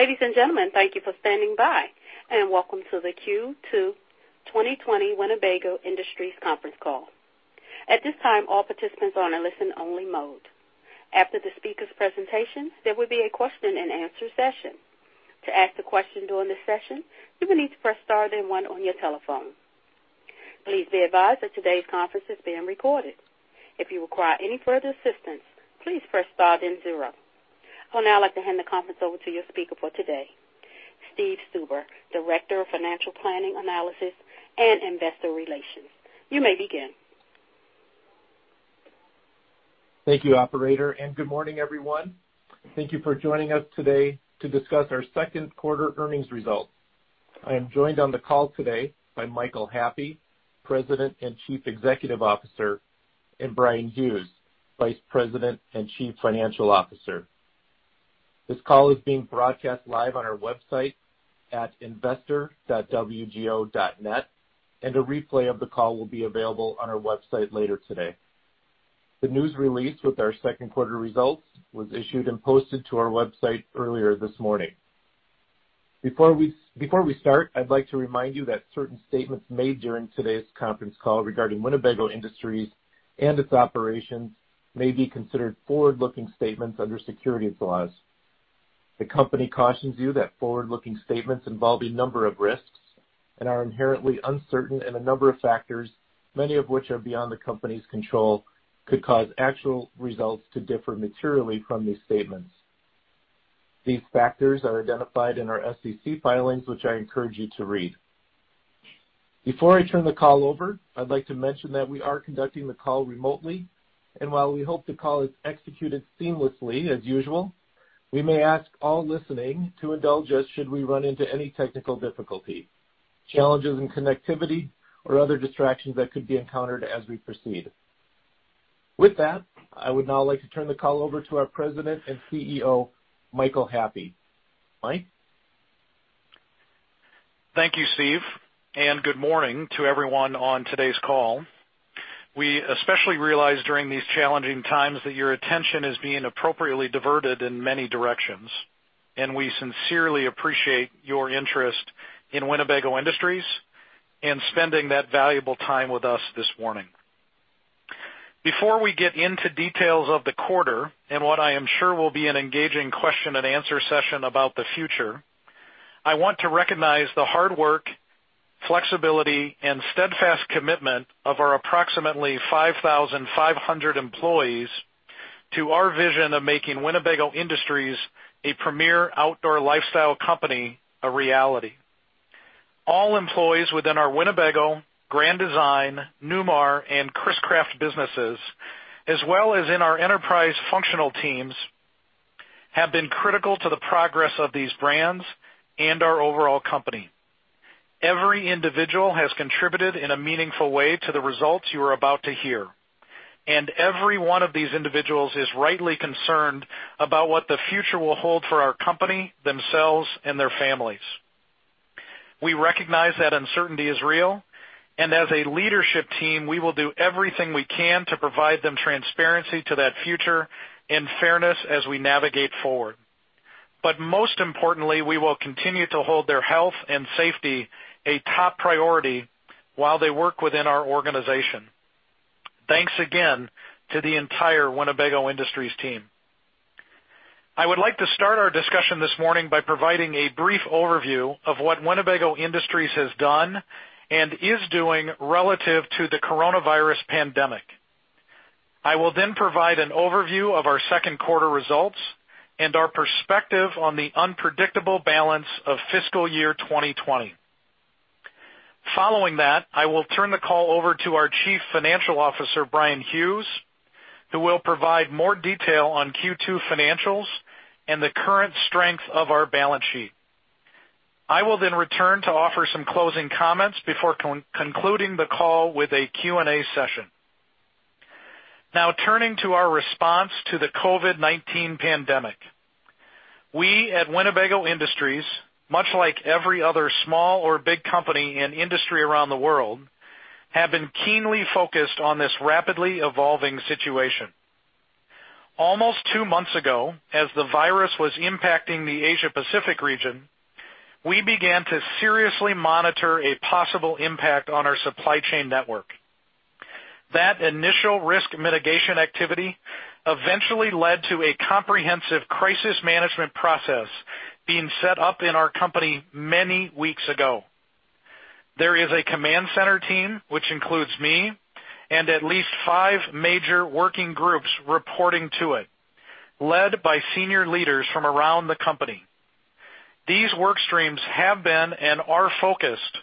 Ladies and gentlemen, thank you for standing by and welcome to the Q2 2020 Winnebago Industries Conference Call. At this time, all participants are on a listen-only mode. After the speaker's presentation, there will be a question-and-answer session. To ask a question during this session, you will need to press star then one on your telephone. Please be advised that today's conference is being recorded. If you require any further assistance, please press star then zero. I would now like to hand the conference over to your speaker for today, Steve Stuber, Director of Financial Planning, Analysis, and Investor Relations. You may begin. Thank you, Operator, and Good morning, everyone. Thank you for joining us today to discuss our second quarter earnings results. I am joined on the call today by Michael Happe, President and Chief Executive Officer, and Bryan Hughes, Vice President and Chief Financial Officer. This call is being broadcast live on our website at investor.wgo.net, and a replay of the call will be available on our website later today. The news release with our second quarter results was issued and posted to our website earlier this morning. Before we start, I'd like to remind you that certain statements made during today's conference call regarding Winnebago Industries and its operations may be considered forward-looking statements under securities laws. The company cautions you that forward-looking statements involve a number of risks and are inherently uncertain in a number of factors, many of which are beyond the company's control, could cause actual results to differ materially from these statements. These factors are identified in our SEC filings, which I encourage you to read. Before I turn the call over, I'd like to mention that we are conducting the call remotely, and while we hope the call is executed seamlessly as usual, we may ask all listening to indulge us should we run into any technical difficulty, challenges in connectivity, or other distractions that could be encountered as we proceed. With that, I would now like to turn the call over to our President and CEO, Michael Happe. Mike? Thank you, Steve, and good morning to everyone on today's call. We especially realize during these challenging times that your attention is being appropriately diverted in many directions, and we sincerely appreciate your interest in Winnebago Industries and spending that valuable time with us this morning. Before we get into details of the quarter and what I am sure will be an engaging question-and-answer session about the future, I want to recognize the hard work, flexibility, and steadfast commitment of our approximately 5,500 employees to our vision of making Winnebago Industries, a premier outdoor lifestyle company, a reality. All employees within our Winnebago, Grand Design, Newmar, and Chris-Craft businesses, as well as in our enterprise functional teams, have been critical to the progress of these brands and our overall company. Every individual has contributed in a meaningful way to the results you are about to hear, and every one of these individuals is rightly concerned about what the future will hold for our company, themselves, and their families. We recognize that uncertainty is real, and as a leadership team, we will do everything we can to provide them transparency to that future and fairness as we navigate forward. But most importantly, we will continue to hold their health and safety a top priority while they work within our organization. Thanks again to the entire Winnebago Industries team. I would like to start our discussion this morning by providing a brief overview of what Winnebago Industries has done and is doing relative to the coronavirus pandemic. I will then provide an overview of our second quarter results and our perspective on the unpredictable balance of Fiscal Year 2020. Following that, I will turn the call over to our Chief Financial Officer, Bryan Hughes, who will provide more detail on Q2 financials and the current strength of our balance sheet. I will then return to offer some closing comments before concluding the call with a Q&A session. Now, turning to our response to the COVID-19 pandemic, we at Winnebago Industries, much like every other small or big company in industry around the world, have been keenly focused on this rapidly evolving situation. Almost two months ago, as the virus was impacting the Asia-Pacific region, we began to seriously monitor a possible impact on our supply chain network. That initial risk mitigation activity eventually led to a comprehensive crisis management process being set up in our company many weeks ago. There is a command center team, which includes me, and at least five major working groups reporting to it, led by senior leaders from around the company. These work streams have been and are focused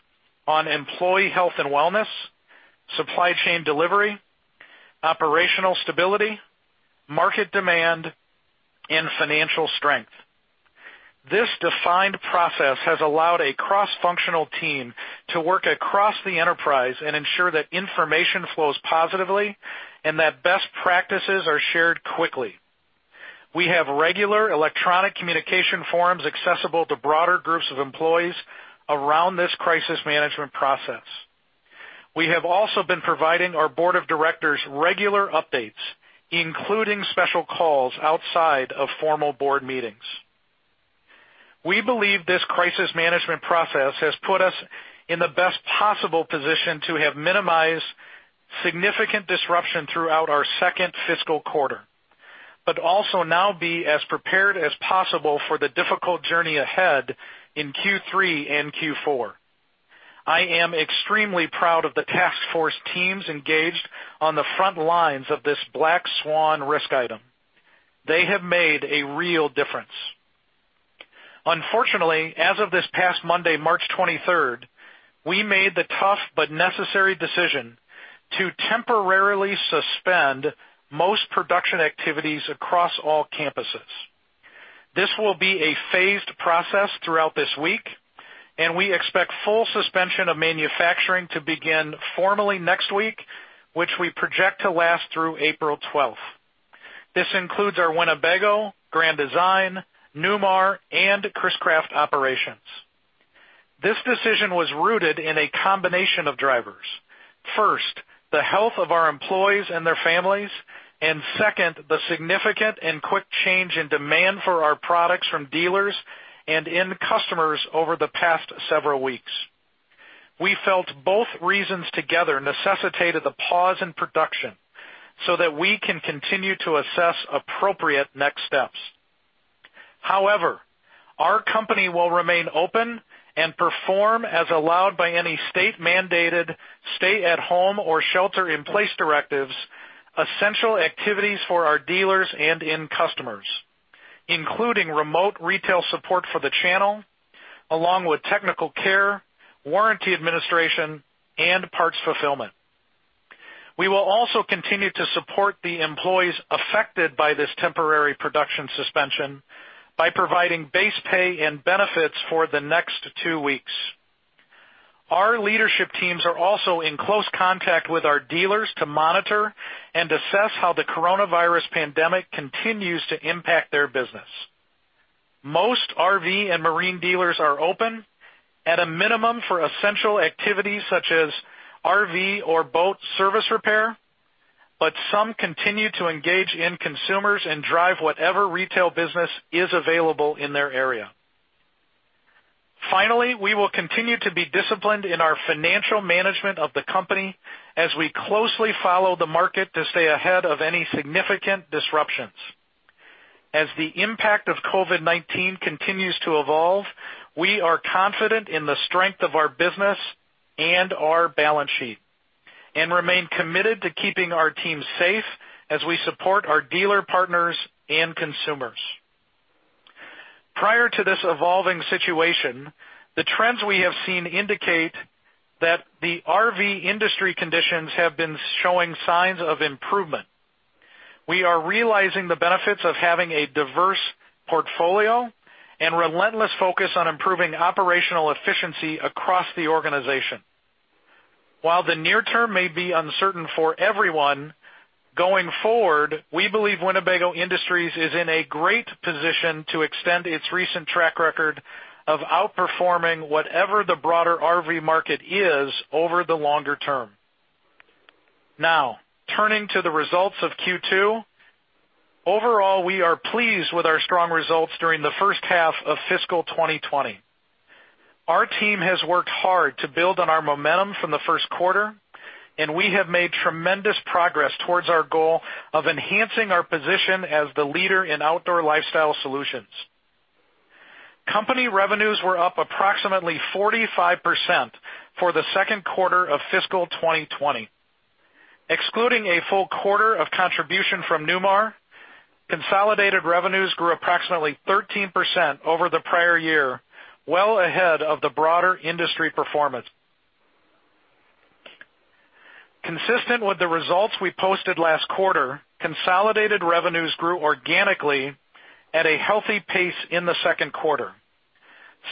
on employee health and wellness, supply chain delivery, operational stability, market demand, and financial strength. This defined process has allowed a cross-functional team to work across the enterprise and ensure that information flows positively and that best practices are shared quickly. We have regular electronic communication forums accessible to broader groups of employees around this crisis management process. We have also been providing our board of directors regular updates, including special calls outside of formal board meetings. We believe this crisis management process has put us in the best possible position to have minimized significant disruption throughout our second fiscal quarter, but also now be as prepared as possible for the difficult journey ahead in Q3 and Q4. I am extremely proud of the task force teams engaged on the front lines of this Black Swan risk item. They have made a real difference. Unfortunately, as of this past Monday, March 23rd, we made the tough but necessary decision to temporarily suspend most production activities across all campuses. This will be a phased process throughout this week, and we expect full suspension of manufacturing to begin formally next week, which we project to last through April 12th. This includes our Winnebago, Grand Design, Newmar, and Chris-Craft operations. This decision was rooted in a combination of drivers. First, the health of our employees and their families, and second, the significant and quick change in demand for our products from dealers and end customers over the past several weeks. We felt both reasons together necessitated a pause in production so that we can continue to assess appropriate next steps. However, our company will remain open and perform as allowed by any state-mandated stay-at-home or shelter-in-place directives, essential activities for our dealers and end customers, including remote retail support for the channel, along with technical care, warranty administration, and parts fulfillment. We will also continue to support the employees affected by this temporary production suspension by providing base pay and benefits for the next two weeks. Our leadership teams are also in close contact with our dealers to monitor and assess how the coronavirus pandemic continues to impact their business. Most RV and marine dealers are open at a minimum for essential activities such as RV or boat service repair, but some continue to engage with consumers and drive whatever retail business is available in their area. Finally, we will continue to be disciplined in our financial management of the company as we closely follow the market to stay ahead of any significant disruptions. As the impact of COVID-19 continues to evolve, we are confident in the strength of our business and our balance sheet and remain committed to keeping our teams safe as we support our dealer partners and consumers. Prior to this evolving situation, the trends we have seen indicate that the RV industry conditions have been showing signs of improvement. We are realizing the benefits of having a diverse portfolio and relentless focus on improving operational efficiency across the organization. While the near term may be uncertain for everyone, going forward, we believe Winnebago Industries is in a great position to extend its recent track record of outperforming whatever the broader RV market is over the longer term. Now, turning to the results of Q2, overall, we are pleased with our strong results during the first half of fiscal 2020. Our team has worked hard to build on our momentum from the first quarter, and we have made tremendous progress towards our goal of enhancing our position as the leader in outdoor lifestyle solutions. Company revenues were up approximately 45% for the second quarter of fiscal 2020. Excluding a full quarter of contribution from Newmar, consolidated revenues grew approximately 13% over the prior year, well ahead of the broader industry performance. Consistent with the results we posted last quarter, consolidated revenues grew organically at a healthy pace in the second quarter,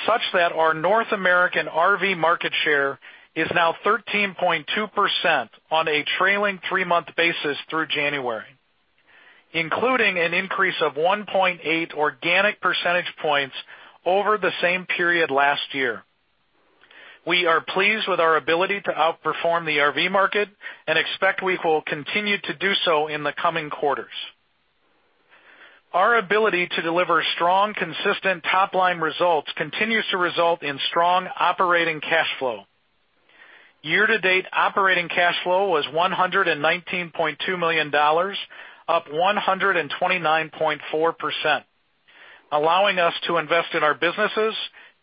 such that our North American RV market share is now 13.2% on a trailing three-month basis through January, including an increase of 1.8 organic percentage points over the same period last year. We are pleased with our ability to outperform the RV market and expect we will continue to do so in the coming quarters. Our ability to deliver strong, consistent top-line results continues to result in strong operating cash flow. Year-to-date operating cash flow was $119.2 million, up 129.4%, allowing us to invest in our businesses,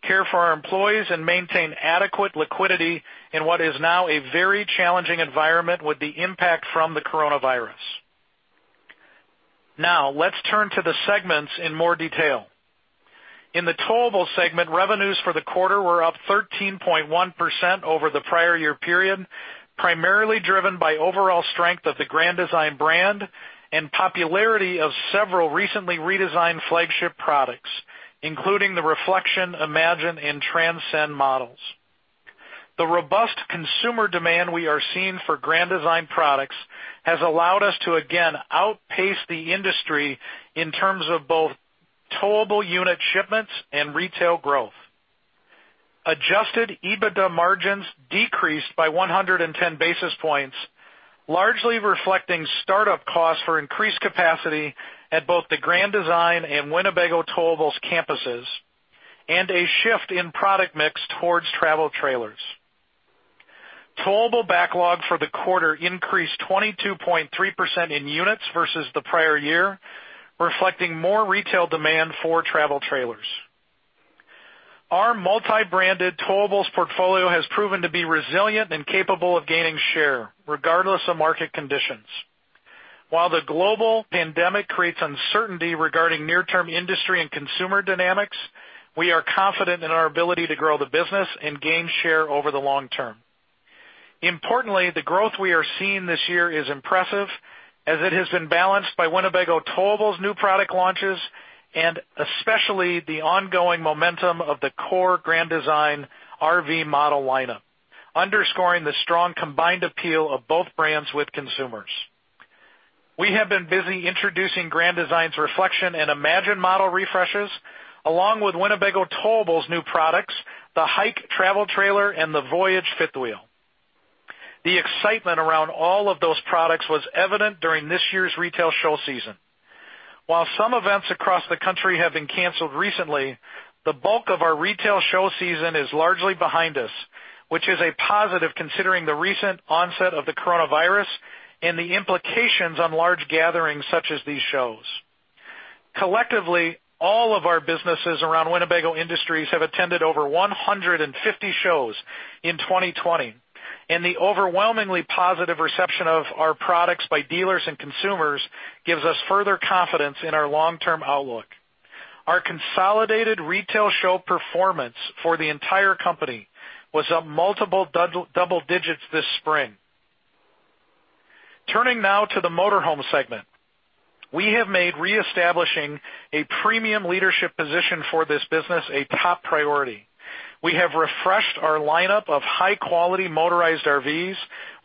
care for our employees, and maintain adequate liquidity in what is now a very challenging environment with the impact from the coronavirus. Now, let's turn to the segments in more detail. In the Towables segment, revenues for the quarter were up 13.1% over the prior year period, primarily driven by overall strength of the Grand Design brand and popularity of several recently redesigned flagship products, including the Reflection, Imagine, and Transcend models. The robust consumer demand we are seeing for Grand Design products has allowed us to again outpace the industry in terms of both total unit shipments and retail growth. Adjusted EBITDA margins decreased by 110 basis points, largely reflecting startup costs for increased capacity at both the Grand Design and Winnebago Towables' campuses and a shift in product mix towards travel trailers. Total backlog for the quarter increased 22.3% in units versus the prior year, reflecting more retail demand for travel trailers. Our multi-branded Towables' portfolio has proven to be resilient and capable of gaining share regardless of market conditions. While the global pandemic creates uncertainty regarding near-term industry and consumer dynamics, we are confident in our ability to grow the business and gain share over the long term. Importantly, the growth we are seeing this year is impressive as it has been balanced by Winnebago Towables' new product launches and especially the ongoing momentum of the core Grand Design RV model lineup, underscoring the strong combined appeal of both brands with consumers. We have been busy introducing Grand Design's Reflection and Imagine model refreshes along with Winnebago Towables' new products, the Hike travel trailer and the Voyage fifth wheel. The excitement around all of those products was evident during this year's retail show season. While some events across the country have been canceled recently, the bulk of our retail show season is largely behind us, which is a positive considering the recent onset of the coronavirus and the implications on large gatherings such as these shows. Collectively, all of our businesses around Winnebago Industries have attended over 150 shows in 2020, and the overwhelmingly positive reception of our products by dealers and consumers gives us further confidence in our long-term outlook. Our consolidated retail show performance for the entire company was up multiple double digits this spring. Turning now to the Motorhome segment, we have made reestablishing a premium leadership position for this business a top priority. We have refreshed our lineup of high-quality motorized RVs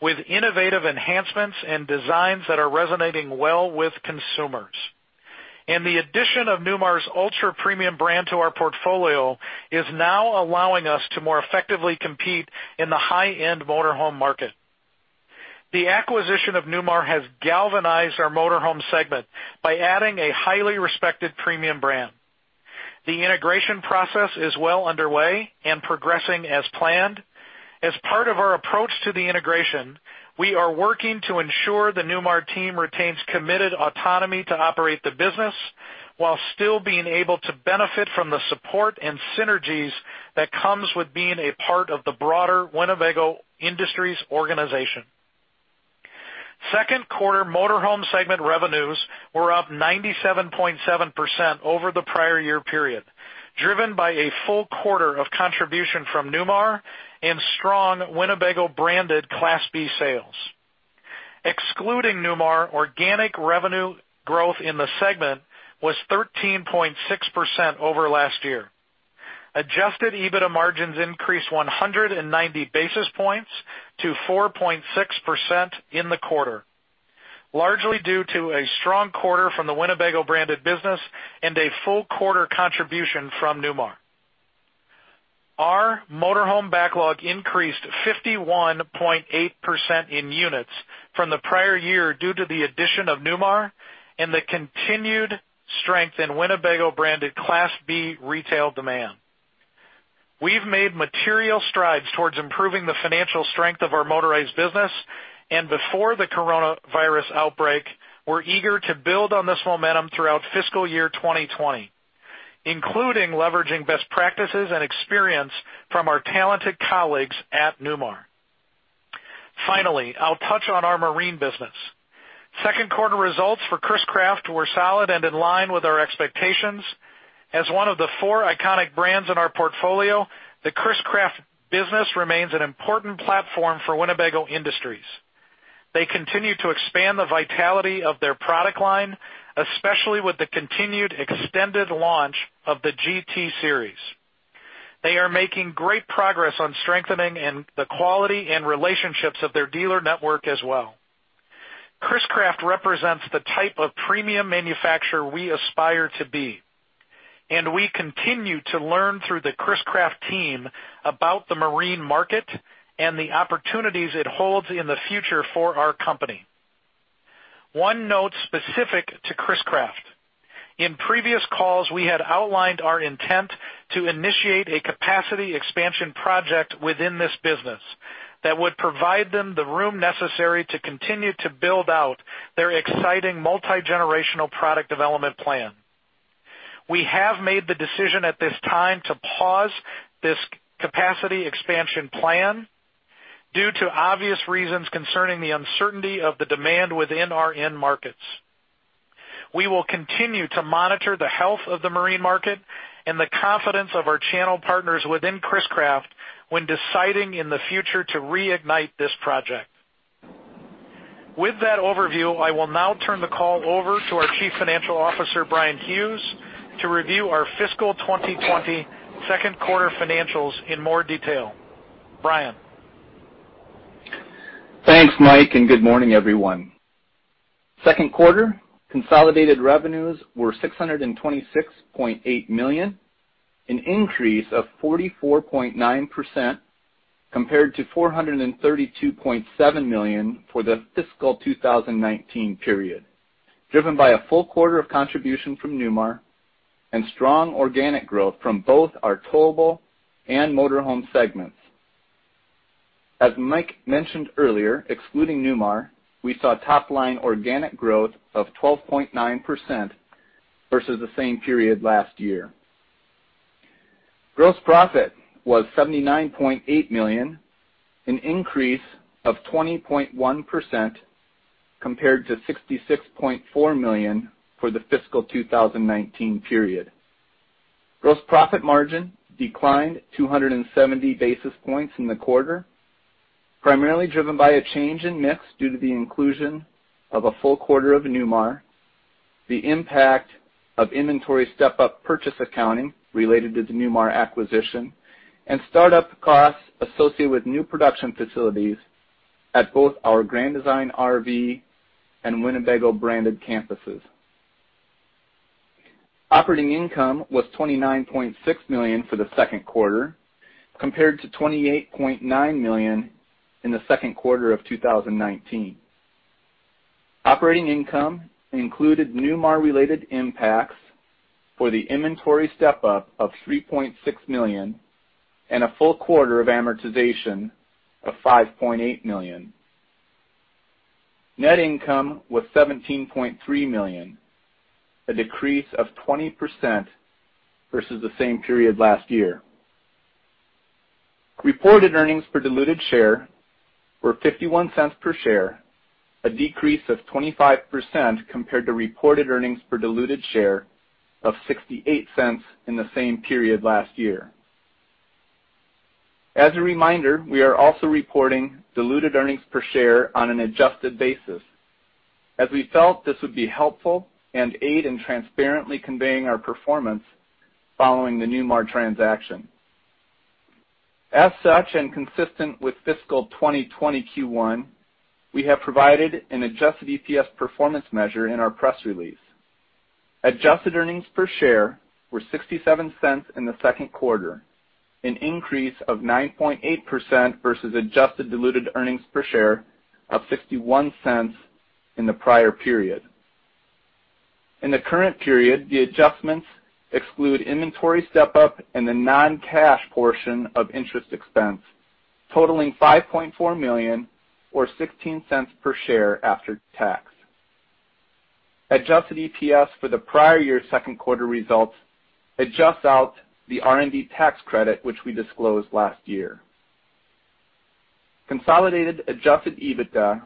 with innovative enhancements and designs that are resonating well with consumers. The addition of Newmar's ultra-premium brand to our portfolio is now allowing us to more effectively compete in the high-end Motorhome market. The acquisition of Newmar has galvanized our Motorhome segment by adding a highly respected premium brand. The integration process is well underway and progressing as planned. As part of our approach to the integration, we are working to ensure the Newmar team retains committed autonomy to operate the business while still being able to benefit from the support and synergies that come with being a part of the broader Winnebago Industries organization. Second quarter Motorhome segment revenues were up 97.7% over the prior year period, driven by a full quarter of contribution from Newmar and strong Winnebago branded Class B sales. Excluding Newmar, organic revenue growth in the segment was 13.6% over last year. Adjusted EBITDA margins increased 190 basis points to 4.6% in the quarter, largely due to a strong quarter from the Winnebago branded business and a full quarter contribution from Newmar. Our Motorhome backlog increased 51.8% in units from the prior year due to the addition of Newmar and the continued strength in Winnebago branded Class B retail demand. We've made material strides towards improving the financial strength of our motorized business, and before the coronavirus outbreak, we're eager to build on this momentum throughout Fiscal Year 2020, including leveraging best practices and experience from our talented colleagues at Newmar. Finally, I'll touch on our marine business. Second quarter results for Chris-Craft were solid and in line with our expectations. As one of the four iconic brands in our portfolio, the Chris-Craft business remains an important platform for Winnebago Industries. They continue to expand the vitality of their product line, especially with the continued extended launch of the GT Series. They are making great progress on strengthening the quality and relationships of their dealer network as well. Chris-Craft represents the type of premium manufacturer we aspire to be, and we continue to learn through the Chris-Craft team about the marine market and the opportunities it holds in the future for our company. One note specific to Chris-Craft: in previous calls, we had outlined our intent to initiate a capacity expansion project within this business that would provide them the room necessary to continue to build out their exciting multi-generational product development plan. We have made the decision at this time to pause this capacity expansion plan due to obvious reasons concerning the uncertainty of the demand within our end markets. We will continue to monitor the health of the marine market and the confidence of our channel partners within Chris-Craft when deciding in the future to reignite this project. With that overview, I will now turn the call over to our Chief Financial Officer, Bryan Hughes, to review our fiscal 2020 second quarter financials in more detail. Bryan. Thanks, Mike, and Good morning, everyone. Second quarter consolidated revenues were $626.8 million, an increase of 44.9% compared to $432.7 million for the fiscal 2019 period, driven by a full quarter of contribution from Newmar and strong organic growth from both our Towables and Motorhome segments. As Mike mentioned earlier, excluding Newmar, we saw top-line organic growth of 12.9% versus the same period last year. Gross profit was $79.8 million, an increase of 20.1% compared to $66.4 million for the fiscal 2019 period. Gross profit margin declined 270 basis points in the quarter, primarily driven by a change in mix due to the inclusion of a full quarter of Newmar, the impact of inventory step-up purchase accounting related to the Newmar acquisition, and startup costs associated with new production facilities at both our Grand Design RV and Winnebago branded campuses. Operating income was $29.6 million for the second quarter compared to $28.9 million in the second quarter of 2019. Operating income included Newmar-related impacts for the inventory step-up of $3.6 million and a full quarter of amortization of $5.8 million. Net income was $17.3 million, a decrease of 20% versus the same period last year. Reported earnings per diluted share were $0.51 per share, a decrease of 25% compared to reported earnings per diluted share of $0.68 in the same period last year. As a reminder, we are also reporting diluted earnings per share on an adjusted basis as we felt this would be helpful and aid in transparently conveying our performance following the Newmar transaction. As such and consistent with fiscal 2020 Q1, we have provided an adjusted EPS performance measure in our press release. Adjusted earnings per share were $0.67 in the second quarter, an increase of 9.8% versus adjusted diluted earnings per share of $0.61 in the prior period. In the current period, the adjustments exclude inventory step-up and the non-cash portion of interest expense, totaling $5.4 million or $0.16 per share after tax. Adjusted EPS for the prior year's second quarter results adjusts out the R&D tax credit, which we disclosed last year. Consolidated adjusted EBITDA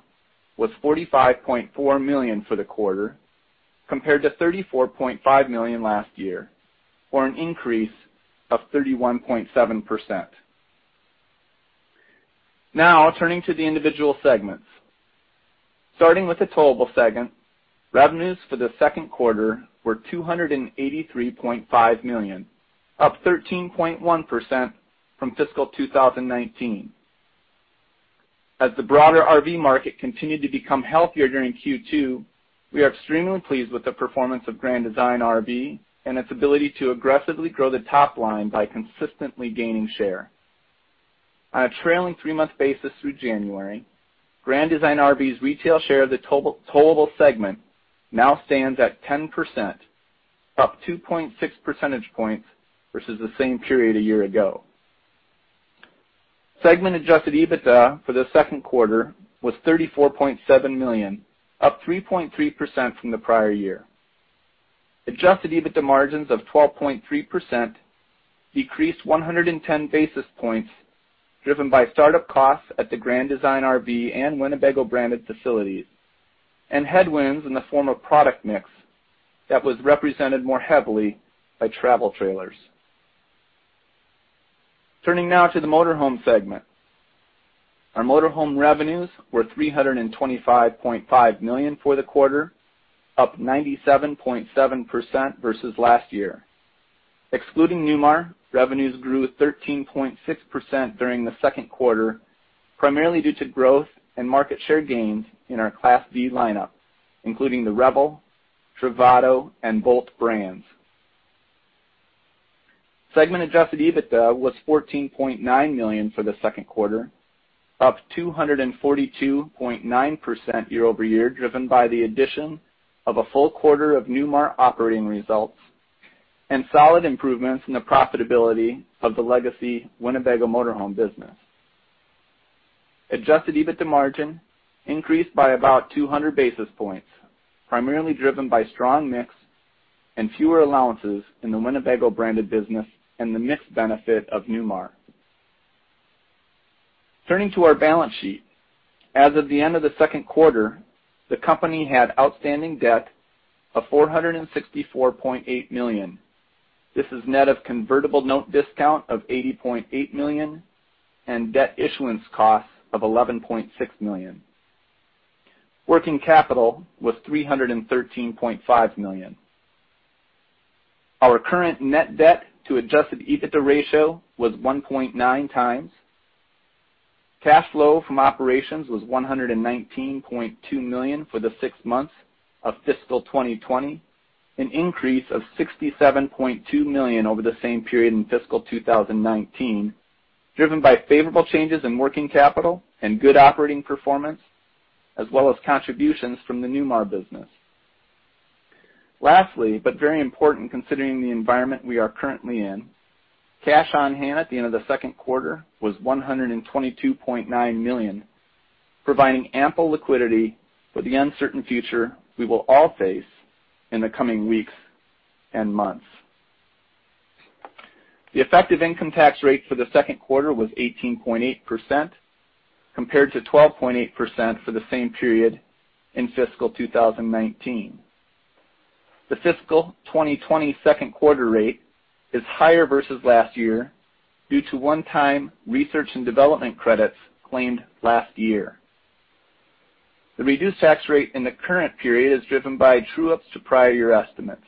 was $45.4 million for the quarter compared to $34.5 million last year for an increase of 31.7%. Now, turning to the individual segments. Starting with the Towables segment, revenues for the second quarter were $283.5 million, up 13.1% from fiscal 2019. As the broader RV market continued to become healthier during Q2, we are extremely pleased with the performance of Grand Design RV and its ability to aggressively grow the top line by consistently gaining share. On a trailing three-month basis through January, Grand Design RV's retail share of the Towable segment now stands at 10%, up 2.6 percentage points versus the same period a year ago. Segment adjusted EBITDA for the second quarter was $34.7 million, up 3.3% from the prior year. Adjusted EBITDA margins of 12.3% decreased 110 basis points driven by startup costs at the Grand Design RV and Winnebago branded facilities and headwinds in the form of product mix that was represented more heavily by travel trailers. Turning now to the Motorhome segment. Our Motorhome revenues were $325.5 million for the quarter, up 97.7% versus last year. Excluding Newmar, revenues grew 13.6% during the second quarter, primarily due to growth and market share gains in our Class B lineup, including the Revel, Travato, and Boldt brands. Segment adjusted EBITDA was $14.9 million for the second quarter, up 242.9% year-over-year, driven by the addition of a full quarter of Newmar operating results and solid improvements in the profitability of the legacy Winnebago Motorhome business. Adjusted EBITDA margin increased by about 200 basis points, primarily driven by strong mix and fewer allowances in the Winnebago branded business and the mixed benefit of Newmar. Turning to our balance sheet, as of the end of the second quarter, the company had outstanding debt of $464.8 million. This is net of convertible note discount of $80.8 million and debt issuance costs of $11.6 million. Working capital was $313.5 million. Our current net debt to adjusted EBITDA ratio was 1.9 times. Cash flow from operations was $119.2 million for the six months of fiscal 2020, an increase of $67.2 million over the same period in fiscal 2019, driven by favorable changes in working capital and good operating performance, as well as contributions from the Newmar business. Lastly, but very important considering the environment we are currently in, cash on hand at the end of the second quarter was $122.9 million, providing ample liquidity for the uncertain future we will all face in the coming weeks and months. The effective income tax rate for the second quarter was 18.8% compared to 12.8% for the same period in fiscal 2019. The fiscal 2020 second quarter rate is higher versus last year due to one-time research and development credits claimed last year. The reduced tax rate in the current period is driven by true-ups to prior year estimates.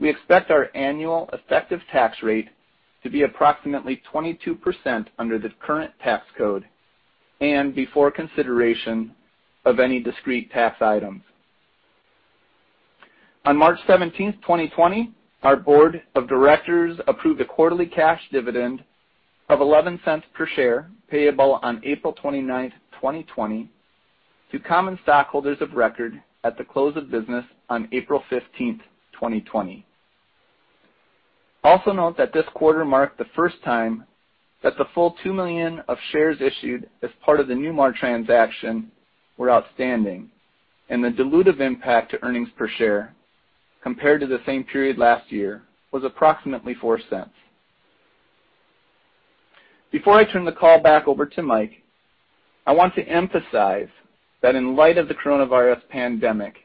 We expect our annual effective tax rate to be approximately 22% under the current tax code and before consideration of any discrete tax items. On March 17, 2020, our board of directors approved a quarterly cash dividend of $0.11 per share payable on April 29, 2020, to common stockholders of record at the close of business on April 15, 2020. Also note that this quarter marked the first time that the full 2 million of shares issued as part of the Newmar transaction were outstanding, and the dilutive impact to earnings per share compared to the same period last year was approximately $0.04. Before I turn the call back over to Mike, I want to emphasize that in light of the coronavirus pandemic,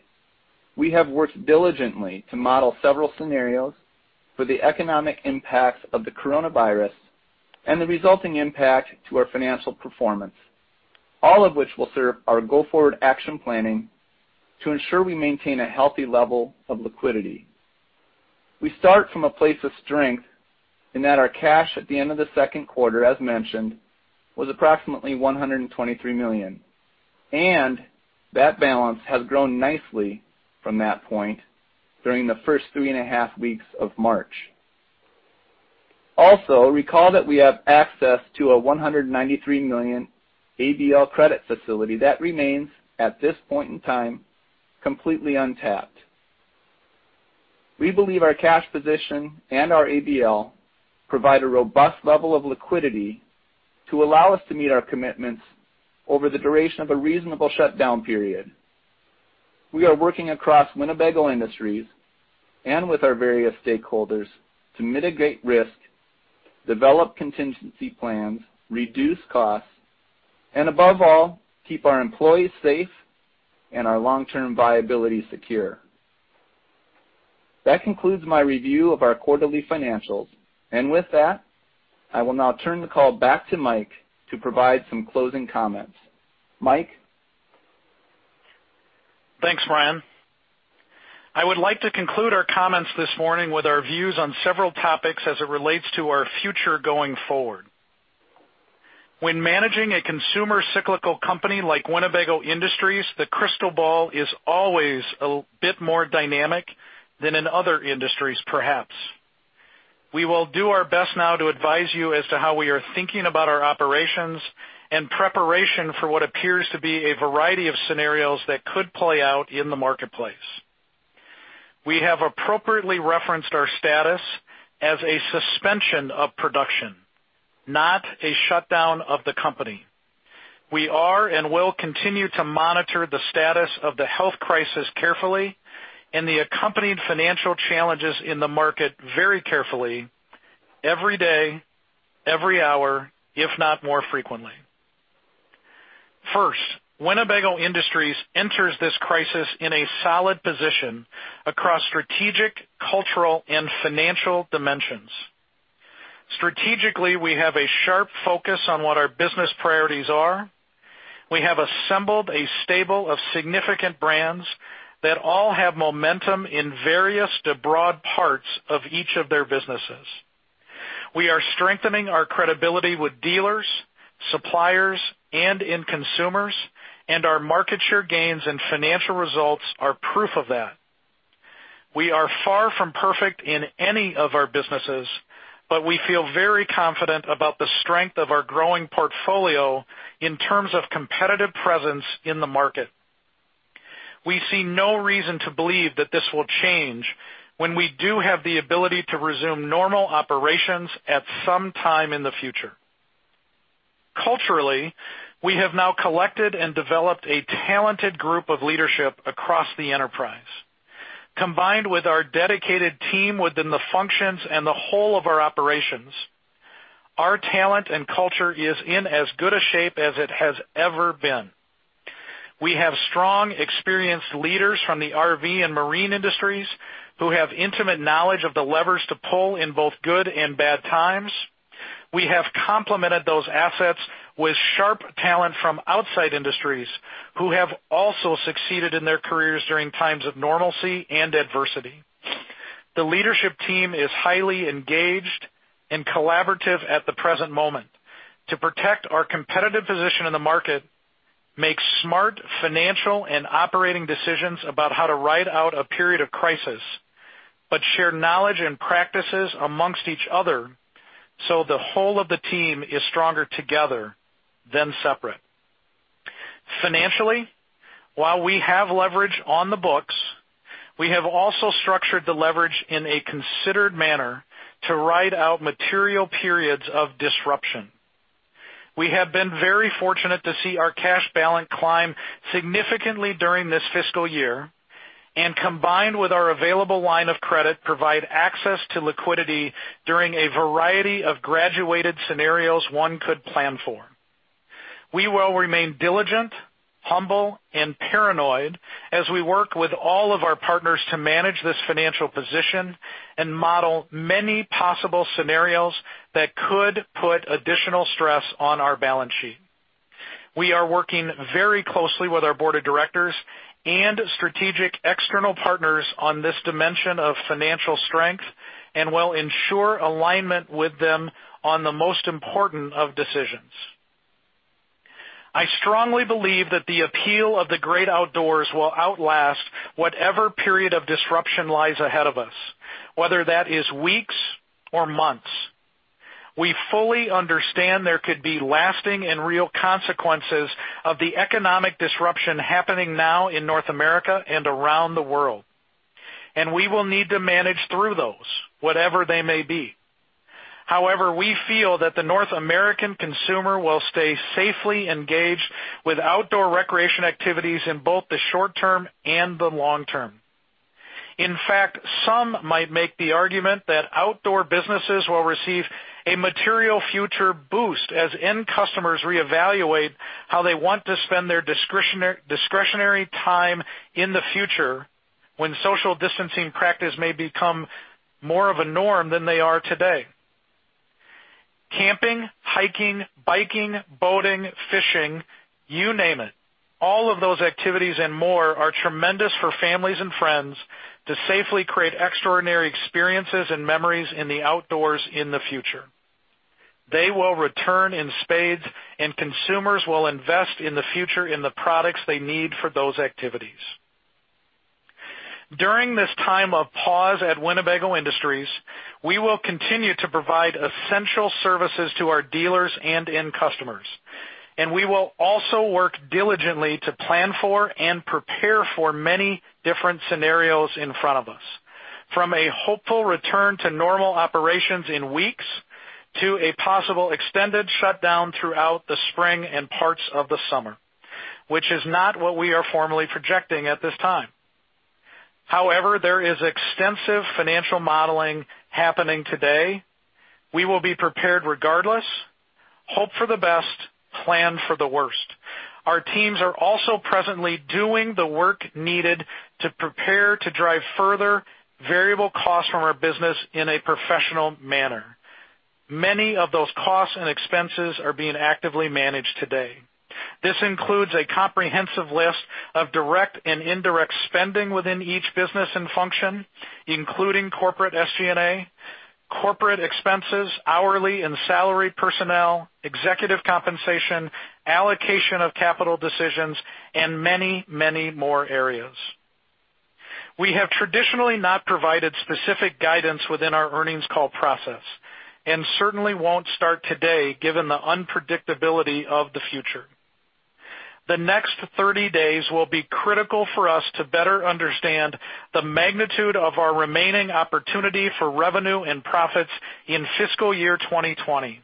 we have worked diligently to model several scenarios for the economic impacts of the coronavirus and the resulting impact to our financial performance, all of which will serve our go forward action planning to ensure we maintain a healthy level of liquidity. We start from a place of strength in that our cash at the end of the second quarter, as mentioned, was approximately $123 million, and that balance has grown nicely from that point during the first three and a half weeks of March. Also, recall that we have access to a $193 million ABL credit facility that remains at this point in time completely untapped. We believe our cash position and our ABL provide a robust level of liquidity to allow us to meet our commitments over the duration of a reasonable shutdown period. We are working across Winnebago Industries and with our various stakeholders to mitigate risk, develop contingency plans, reduce costs, and above all, keep our employees safe and our long-term viability secure. That concludes my review of our quarterly financials. And with that, I will now turn the call back to Mike to provide some closing comments. Mike. Thanks, Bryan. I would like to conclude our comments this morning with our views on several topics as it relates to our future going forward. When managing a consumer cyclical company like Winnebago Industries, the crystal ball is always a bit more dynamic than in other industries, perhaps. We will do our best now to advise you as to how we are thinking about our operations and preparation for what appears to be a variety of scenarios that could play out in the marketplace. We have appropriately referenced our status as a suspension of production, not a shutdown of the company. We are and will continue to monitor the status of the health crisis carefully and the accompanied financial challenges in the market very carefully, every day, every hour, if not more frequently. First, Winnebago Industries enters this crisis in a solid position across strategic, cultural, and financial dimensions. Strategically, we have a sharp focus on what our business priorities are. We have assembled a stable of significant brands that all have momentum in various broad parts of each of their businesses. We are strengthening our credibility with dealers, suppliers, and end consumers, and our market share gains and financial results are proof of that. We are far from perfect in any of our businesses, but we feel very confident about the strength of our growing portfolio in terms of competitive presence in the market. We see no reason to believe that this will change when we do have the ability to resume normal operations at some time in the future. Culturally, we have now collected and developed a talented group of leadership across the enterprise. Combined with our dedicated team within the functions and the whole of our operations, our talent and culture is in as good a shape as it has ever been. We have strong, experienced leaders from the RV and marine industries who have intimate knowledge of the levers to pull in both good and bad times. We have complemented those assets with sharp talent from outside industries who have also succeeded in their careers during times of normalcy and adversity. The leadership team is highly engaged and collaborative at the present moment to protect our competitive position in the market, make smart financial and operating decisions about how to ride out a period of crisis, but share knowledge and practices amongst each other so the whole of the team is stronger together than separate. Financially, while we have leverage on the books, we have also structured the leverage in a considered manner to ride out material periods of disruption. We have been very fortunate to see our cash balance climb significantly during this fiscal year and, combined with our available line of credit, provide access to liquidity during a variety of graduated scenarios one could plan for. We will remain diligent, humble, and paranoid as we work with all of our partners to manage this financial position and model many possible scenarios that could put additional stress on our balance sheet. We are working very closely with our board of directors and strategic external partners on this dimension of financial strength and will ensure alignment with them on the most important of decisions. I strongly believe that the appeal of the great outdoors will outlast whatever period of disruption lies ahead of us, whether that is weeks or months. We fully understand there could be lasting and real consequences of the economic disruption happening now in North America and around the world, and we will need to manage through those, whatever they may be. However, we feel that the North American consumer will stay safely engaged with outdoor recreation activities in both the short term and the long term. In fact, some might make the argument that outdoor businesses will receive a material future boost as end customers reevaluate how they want to spend their discretionary time in the future when social distancing practice may become more of a norm than they are today. Camping, hiking, biking, boating, fishing, you name it, all of those activities and more are tremendous for families and friends to safely create extraordinary experiences and memories in the outdoors in the future. They will return in spades, and consumers will invest in the future in the products they need for those activities. During this time of pause at Winnebago Industries, we will continue to provide essential services to our dealers and end customers, and we will also work diligently to plan for and prepare for many different scenarios in front of us, from a hopeful return to normal operations in weeks to a possible extended shutdown throughout the spring and parts of the summer, which is not what we are formally projecting at this time. However, there is extensive financial modeling happening today. We will be prepared regardless, hope for the best, plan for the worst. Our teams are also presently doing the work needed to prepare to drive further variable costs from our business in a professional manner. Many of those costs and expenses are being actively managed today. This includes a comprehensive list of direct and indirect spending within each business and function, including corporate SG&A, corporate expenses, hourly and salary personnel, executive compensation, allocation of capital decisions, and many, many more areas. We have traditionally not provided specific guidance within our earnings call process and certainly won't start today given the unpredictability of the future. The next 30 days will be critical for us to better understand the magnitude of our remaining opportunity for revenue and profits in Fiscal Year 2020,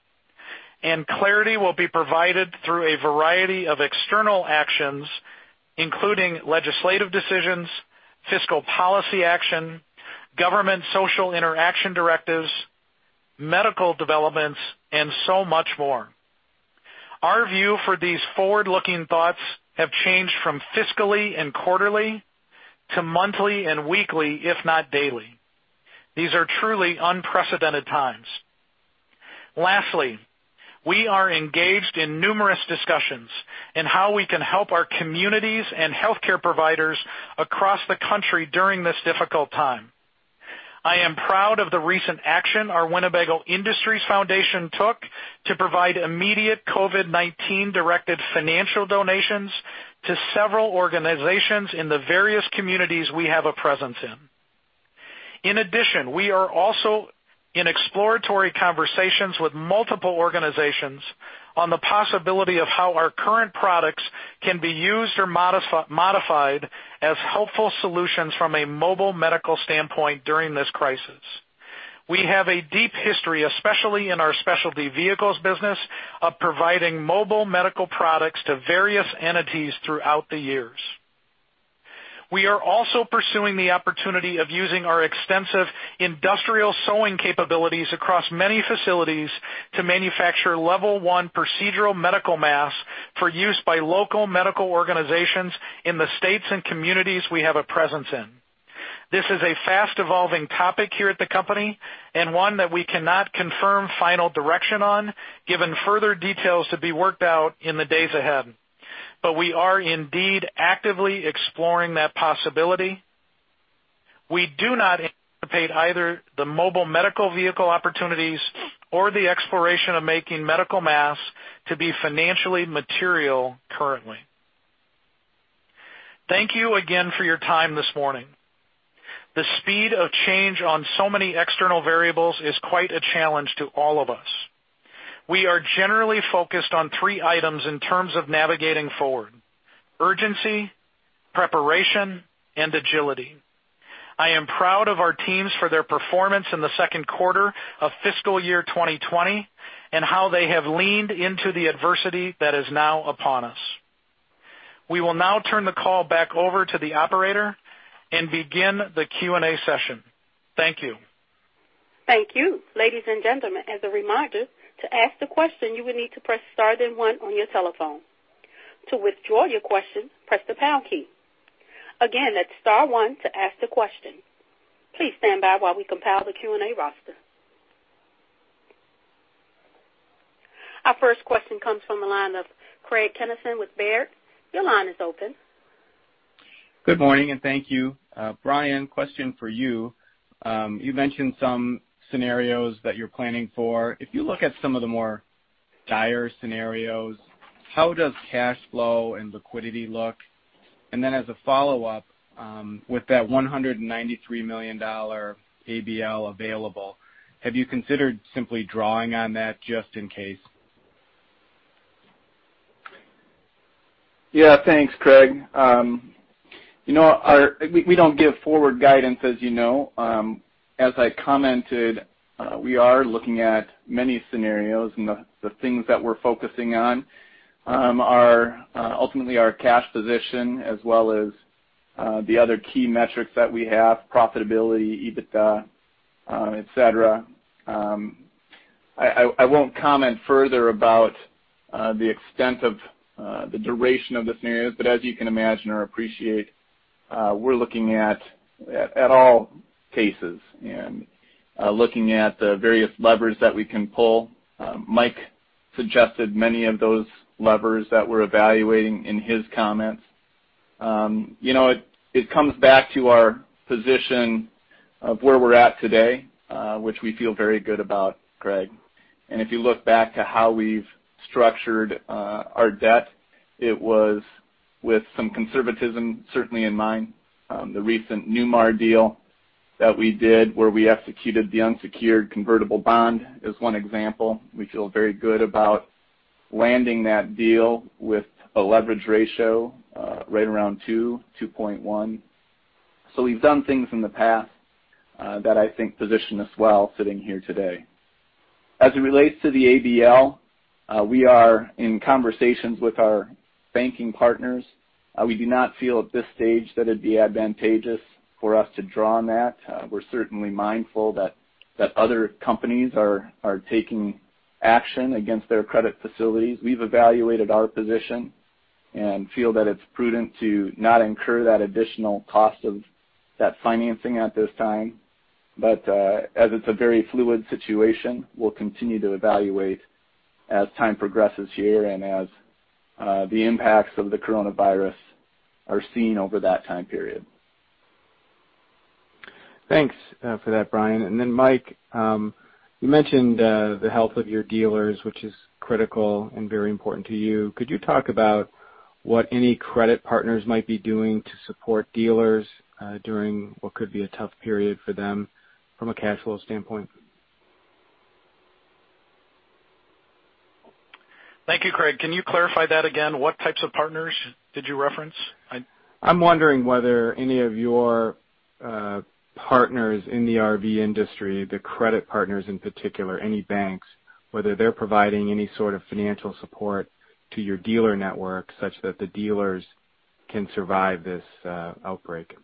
and clarity will be provided through a variety of external actions, including legislative decisions, fiscal policy action, government social interaction directives, medical developments, and so much more. Our view for these forward-looking thoughts have changed from fiscally and quarterly to monthly and weekly, if not daily. These are truly unprecedented times. Lastly, we are engaged in numerous discussions in how we can help our communities and healthcare providers across the country during this difficult time. I am proud of the recent action our Winnebago Industries Foundation took to provide immediate COVID-19-directed financial donations to several organizations in the various communities we have a presence in. In addition, we are also in exploratory conversations with multiple organizations on the possibility of how our current products can be used or modified as helpful solutions from a mobile medical standpoint during this crisis. We have a deep history, especially in our specialty vehicles business, of providing mobile medical products to various entities throughout the years. We are also pursuing the opportunity of using our extensive industrial sewing capabilities across many facilities to manufacture Level 1 procedural medical masks for use by local medical organizations in the states and communities we have a presence in. This is a fast-evolving topic here at the company and one that we cannot confirm final direction on, given further details to be worked out in the days ahead, but we are indeed actively exploring that possibility. We do not anticipate either the mobile medical vehicle opportunities or the exploration of making medical masks to be financially material currently. Thank you again for your time this morning. The speed of change on so many external variables is quite a challenge to all of us. We are generally focused on three items in terms of navigating forward: urgency, preparation, and agility. I am proud of our teams for their performance in the second quarter of Fiscal year 2020 and how they have leaned into the adversity that is now upon us. We will now turn the call back over to the operator and begin the Q&A session. Thank you. Thank you. Ladies and gentlemen, as a reminder, to ask a question, you will need to press Star then one on your telephone. To withdraw your question, press the pound key. Again, that's Star one to ask the question. Please stand by while we compile the Q&A roster. Our first question comes from the line of Craig Kennison with Baird. Your line is open. Good morning and thank you. Bryan, question for you. You mentioned some scenarios that you're planning for. If you look at some of the more dire scenarios, how does cash flow and liquidity look? And then as a follow-up, with that $193 million ABL available, have you considered simply drawing on that just in case? Yeah, thanks, Craig. We don't give forward guidance, as you know. As I commented, we are looking at many scenarios, and the things that we're focusing on are ultimately our cash position as well as the other key metrics that we have: profitability, EBITDA, etc. I won't comment further about the extent of the duration of the scenarios, but as you can imagine or appreciate, we're looking at all cases and looking at the various levers that we can pull. Mike suggested many of those levers that we're evaluating in his comments. It comes back to our position of where we're at today, which we feel very good about, Craig. And if you look back to how we've structured our debt, it was with some conservatism, certainly in mind. The recent Newmar deal that we did, where we executed the unsecured convertible bond, is one example. We feel very good about landing that deal with a leverage ratio right around 2, 2.1, so we've done things in the past that I think position us well sitting here today. As it relates to the ABL, we are in conversations with our banking partners. We do not feel at this stage that it'd be advantageous for us to draw on that. We're certainly mindful that other companies are taking action against their credit facilities. We've evaluated our position and feel that it's prudent to not incur that additional cost of that financing at this time, but as it's a very fluid situation, we'll continue to evaluate as time progresses here and as the impacts of the coronavirus are seen over that time period. Thanks for that, Bryan, and then, Mike, you mentioned the health of your dealers, which is critical and very important to you. Could you talk about what any credit partners might be doing to support dealers during what could be a tough period for them from a cash flow standpoint? Thank you, Craig. Can you clarify that again? What types of partners did you reference? I'm wondering whether any of your partners in the RV industry, the credit partners in particular, any banks, whether they're providing any sort of financial support to your dealer network such that the dealers can survive this outbreak.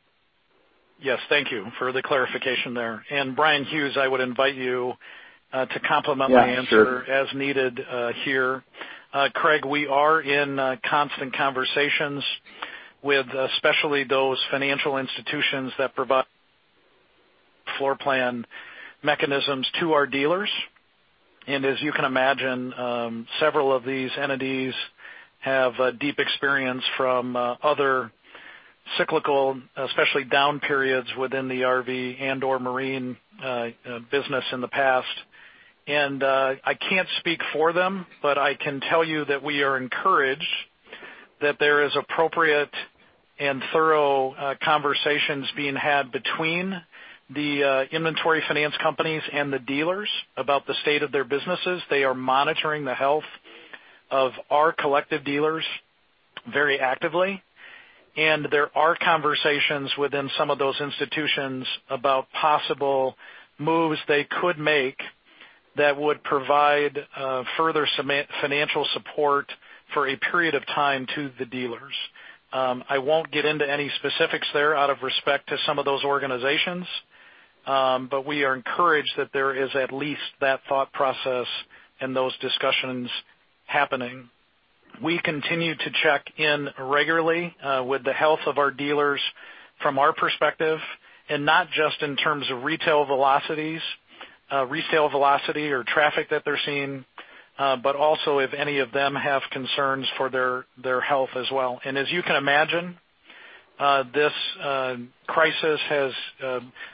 Yes, thank you for the clarification there. And Bryan Hughes, I would invite you to complement my answer as needed here. Craig, we are in constant conversations with especially those financial institutions that provide floor plan mechanisms to our dealers. And as you can imagine, several of these entities have deep experience from other cyclical, especially down periods within the RV and/or marine business in the past. And I can't speak for them, but I can tell you that we are encouraged that there are appropriate and thorough conversations being had between the inventory finance companies and the dealers about the state of their businesses. They are monitoring the health of our collective dealers very actively, and there are conversations within some of those institutions about possible moves they could make that would provide further financial support for a period of time to the dealers. I won't get into any specifics there out of respect to some of those organizations, but we are encouraged that there is at least that thought process and those discussions happening. We continue to check in regularly with the health of our dealers from our perspective, and not just in terms of retail velocities, retail velocity or traffic that they're seeing, but also if any of them have concerns for their health as well. As you can imagine, this crisis has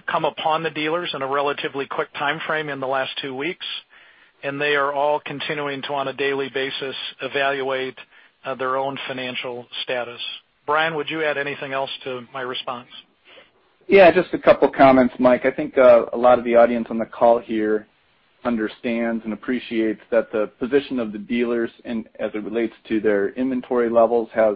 come upon the dealers in a relatively quick time frame in the last two weeks, and they are all continuing to, on a daily basis, evaluate their own financial status. Bryan, would you add anything else to my response? Yeah, just a couple of comments, Mike. I think a lot of the audience on the call here understands and appreciates that the position of the dealers as it relates to their inventory levels has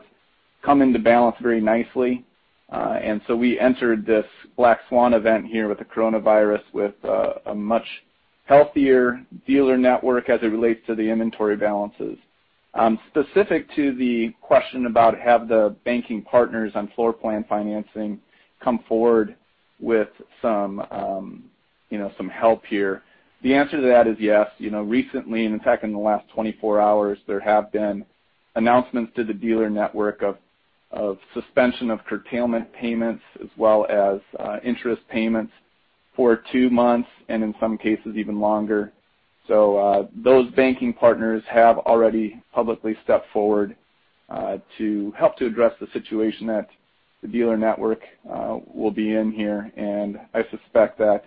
come into balance very nicely. And so we entered this Black Swan event here with the coronavirus with a much healthier dealer network as it relates to the inventory balances. Specific to the question about have the banking partners on floor plan financing come forward with some help here, the answer to that is yes. Recently, and in fact, in the last 24 hours, there have been announcements to the dealer network of suspension of curtailment payments as well as interest payments for two months and in some cases even longer. So those banking partners have already publicly stepped forward to help to address the situation that the dealer network will be in here. I suspect that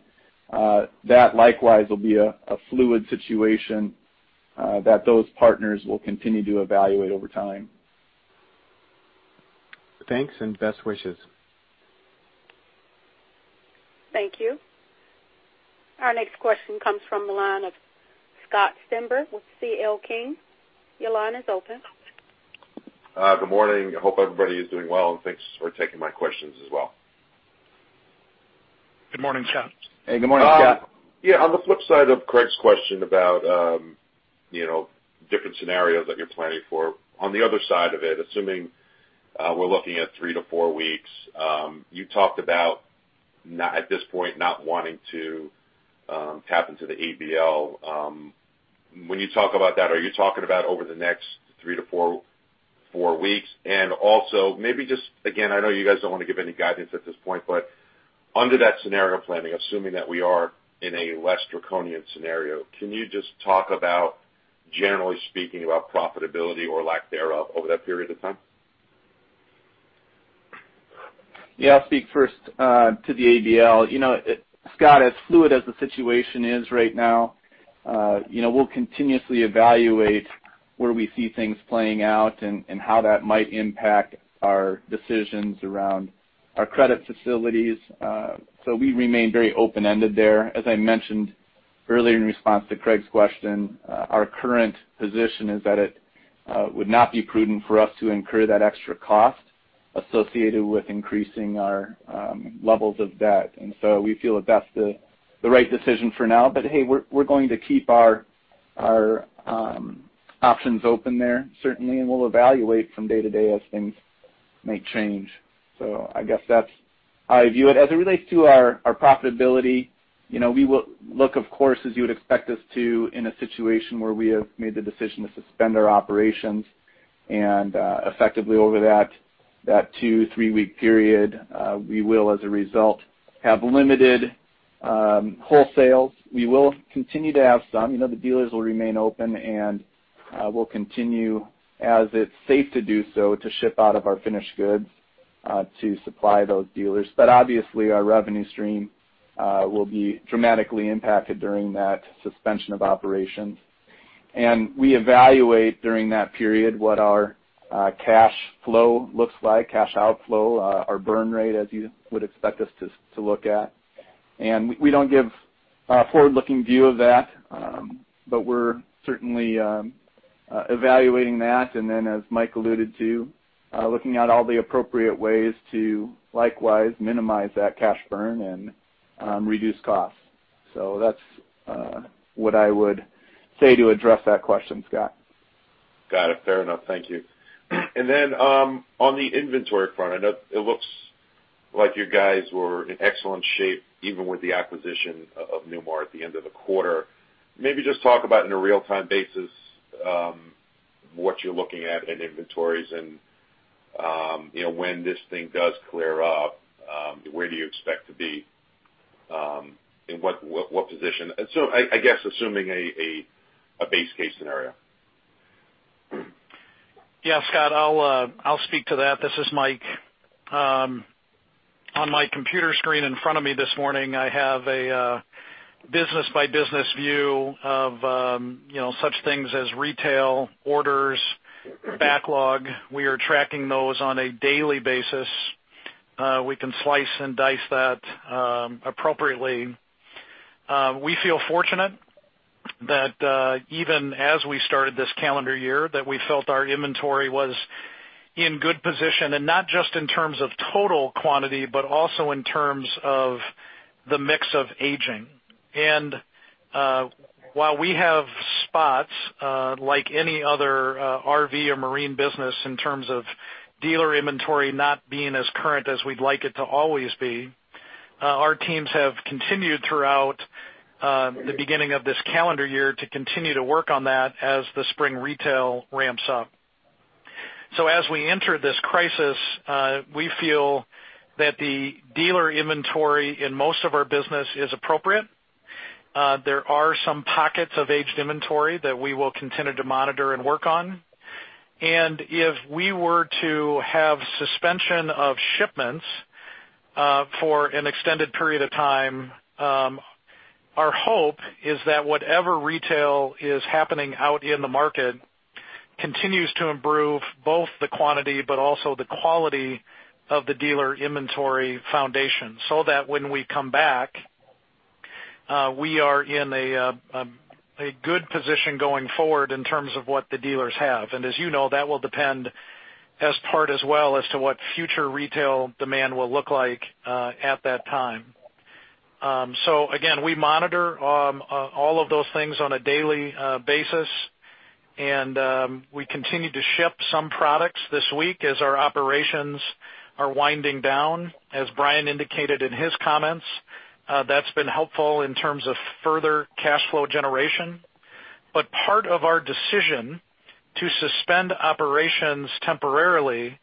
that likewise will be a fluid situation that those partners will continue to evaluate over time. Thanks and best wishes. Thank you. Our next question comes from the line of Scott Stember with C.L. King. Your line is open. Good morning. I hope everybody is doing well, and thanks for taking my questions as well. Good morning, Scott. Hey, good morning, Scott. Yeah, on the flip side of Craig's question about different scenarios that you're planning for, on the other side of it, assuming we're looking at three to four weeks, you talked about at this point not wanting to tap into the ABL. When you talk about that, are you talking about over the next three to four weeks? And also maybe just, again, I know you guys don't want to give any guidance at this point, but under that scenario planning, assuming that we are in a less draconian scenario, can you just talk about generally speaking about profitability or lack thereof over that period of time? Yeah, I'll speak first to the ABL. Scott, as fluid as the situation is right now, we'll continuously evaluate where we see things playing out and how that might impact our decisions around our credit facilities. So we remain very open-ended there. As I mentioned earlier in response to Craig's question, our current position is that it would not be prudent for us to incur that extra cost associated with increasing our levels of debt. And so we feel that that's the right decision for now. But hey, we're going to keep our options open there, certainly, and we'll evaluate from day to day as things may change. So I guess that's how I view it. As it relates to our profitability, we will look, of course, as you would expect us to, in a situation where we have made the decision to suspend our operations. Effectively over that two- to three-week period, we will, as a result, have limited wholesales. We will continue to have some. The dealers will remain open, and we'll continue, as it's safe to do so, to ship out of our finished goods to supply those dealers. But obviously, our revenue stream will be dramatically impacted during that suspension of operations. We evaluate during that period what our cash flow looks like, cash outflow, our burn rate, as you would expect us to look at. We don't give a forward-looking view of that, but we're certainly evaluating that. As Mike alluded to, looking at all the appropriate ways to likewise minimize that cash burn and reduce costs. That's what I would say to address that question, Scott. Got it. Fair enough. Thank you. And then on the inventory front, I know it looks like you guys were in excellent shape even with the acquisition of Newmar at the end of the quarter. Maybe just talk about, on a real-time basis, what you're looking at in inventories and when this thing does clear up, where do you expect to be, in what position? So I guess assuming a base case scenario. Yeah, Scott, I'll speak to that. This is Mike. On my computer screen in front of me this morning, I have a business-by-business view of such things as retail orders, backlog. We are tracking those on a daily basis. We can slice and dice that appropriately. We feel fortunate that even as we started this calendar year, that we felt our inventory was in good position, and not just in terms of total quantity, but also in terms of the mix of aging, and while we have spots, like any other RV or marine business in terms of dealer inventory not being as current as we'd like it to always be, our teams have continued throughout the beginning of this calendar year to continue to work on that as the spring retail ramps up. As we enter this crisis, we feel that the dealer inventory in most of our business is appropriate. There are some pockets of aged inventory that we will continue to monitor and work on. If we were to have suspension of shipments for an extended period of time, our hope is that whatever retail is happening out in the market continues to improve both the quantity but also the quality of the dealer inventory foundation so that when we come back, we are in a good position going forward in terms of what the dealers have. As you know, that will depend as part as well as to what future retail demand will look like at that time. Again, we monitor all of those things on a daily basis, and we continue to ship some products this week as our operations are winding down. As Bryan indicated in his comments, that's been helpful in terms of further cash flow generation. But part of our decision to suspend operations temporarily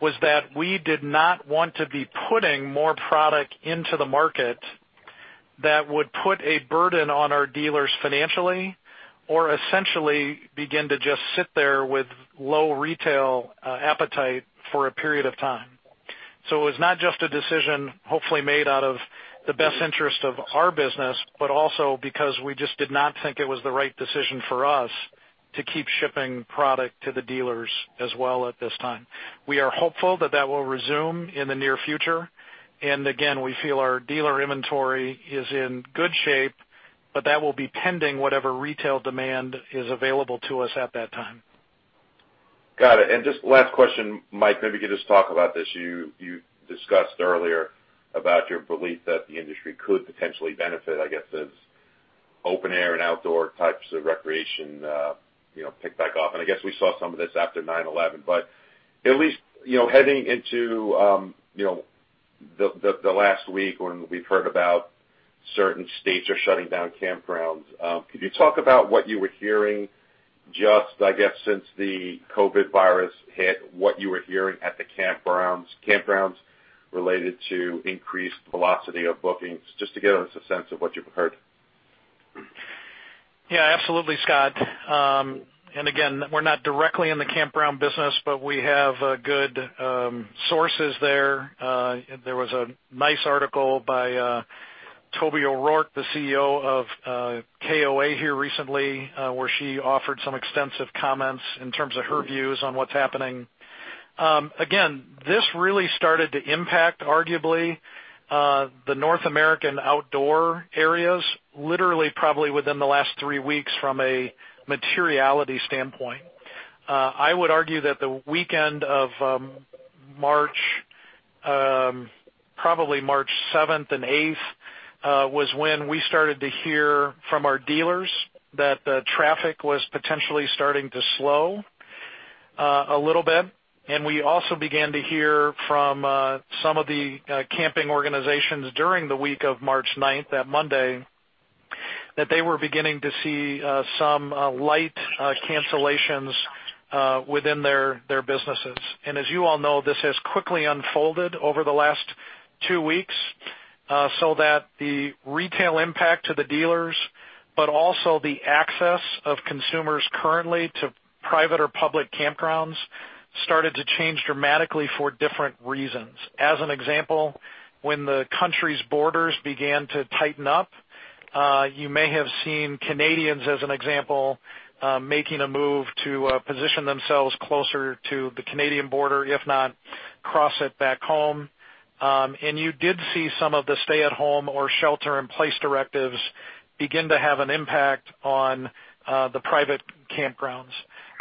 was that we did not want to be putting more product into the market that would put a burden on our dealers financially or essentially begin to just sit there with low retail appetite for a period of time. So it was not just a decision hopefully made out of the best interest of our business, but also because we just did not think it was the right decision for us to keep shipping product to the dealers as well at this time. We are hopeful that that will resume in the near future. And again, we feel our dealer inventory is in good shape, but that will be pending whatever retail demand is available to us at that time. Got it. And just last question, Mike, maybe you could just talk about this. You discussed earlier about your belief that the industry could potentially benefit, I guess, as open air and outdoor types of recreation pick back up. And I guess we saw some of this after 9/11, but at least heading into the last week when we've heard about certain states are shutting down campgrounds. Could you talk about what you were hearing just, I guess, since the COVID virus hit, what you were hearing at the campgrounds related to increased velocity of bookings? Just to give us a sense of what you've heard. Yeah, absolutely, Scott. And again, we're not directly in the campground business, but we have good sources there. There was a nice article by Toby O'Rourke, the CEO of KOA here recently, where she offered some extensive comments in terms of her views on what's happening. Again, this really started to impact arguably the North American outdoor areas, literally probably within the last three weeks from a materiality standpoint. I would argue that the weekend of March, probably March 7th and 8th, was when we started to hear from our dealers that the traffic was potentially starting to slow a little bit. And we also began to hear from some of the camping organizations during the week of March 9th, that Monday, that they were beginning to see some light cancellations within their businesses. As you all know, this has quickly unfolded over the last two weeks so that the retail impact to the dealers, but also the access of consumers currently to private or public campgrounds started to change dramatically for different reasons. As an example, when the country's borders began to tighten up, you may have seen Canadians, as an example, making a move to position themselves closer to the Canadian border, if not cross it back home. You did see some of the stay-at-home or shelter-in-place directives begin to have an impact on the private campgrounds.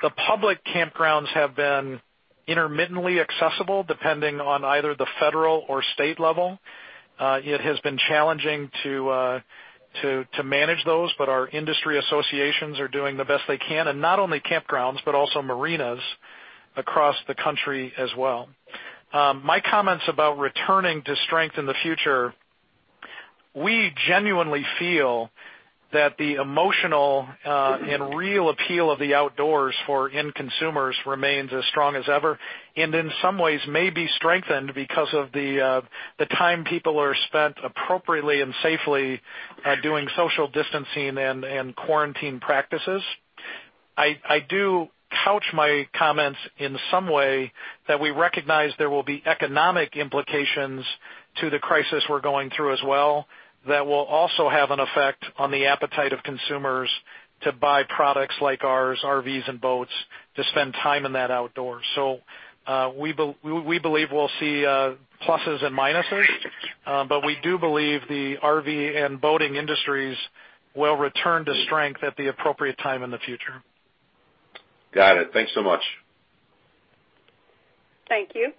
The public campgrounds have been intermittently accessible depending on either the federal or state level. It has been challenging to manage those, but our industry associations are doing the best they can, and not only campgrounds, but also marinas across the country as well. My comments about returning to strength in the future, we genuinely feel that the emotional and real appeal of the outdoors for end consumers remains as strong as ever and in some ways may be strengthened because of the time people are spent appropriately and safely doing social distancing and quarantine practices. I do couch my comments in some way that we recognize there will be economic implications to the crisis we're going through as well that will also have an effect on the appetite of consumers to buy products like ours, RVs and boats, to spend time in that outdoors. So we believe we'll see pluses and minuses, but we do believe the RV and boating industries will return to strength at the appropriate time in the future. Got it. Thanks so much. Thank you.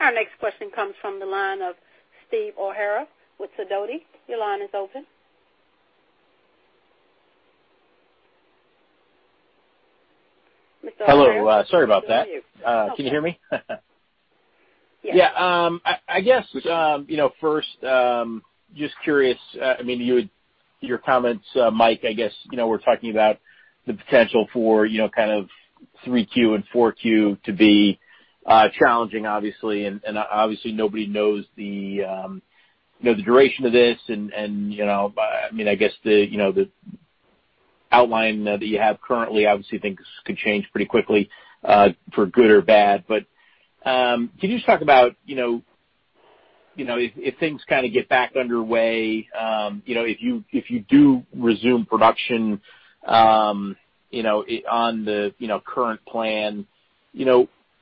Our next question comes from the line of Steve O'Hara with Sidoti. Your line is open. Mr. O'Hara. Hello. Sorry about that. Can you hear me? Yeah. I guess first, just curious, I mean, your comments, Mike. I guess we're talking about the potential for kind of 3Q and 4Q to be challenging, obviously, and obviously, nobody knows the duration of this, and I mean, I guess the outline that you have currently, obviously, things could change pretty quickly for good or bad, but can you just talk about if things kind of get back underway, if you do resume production on the current plan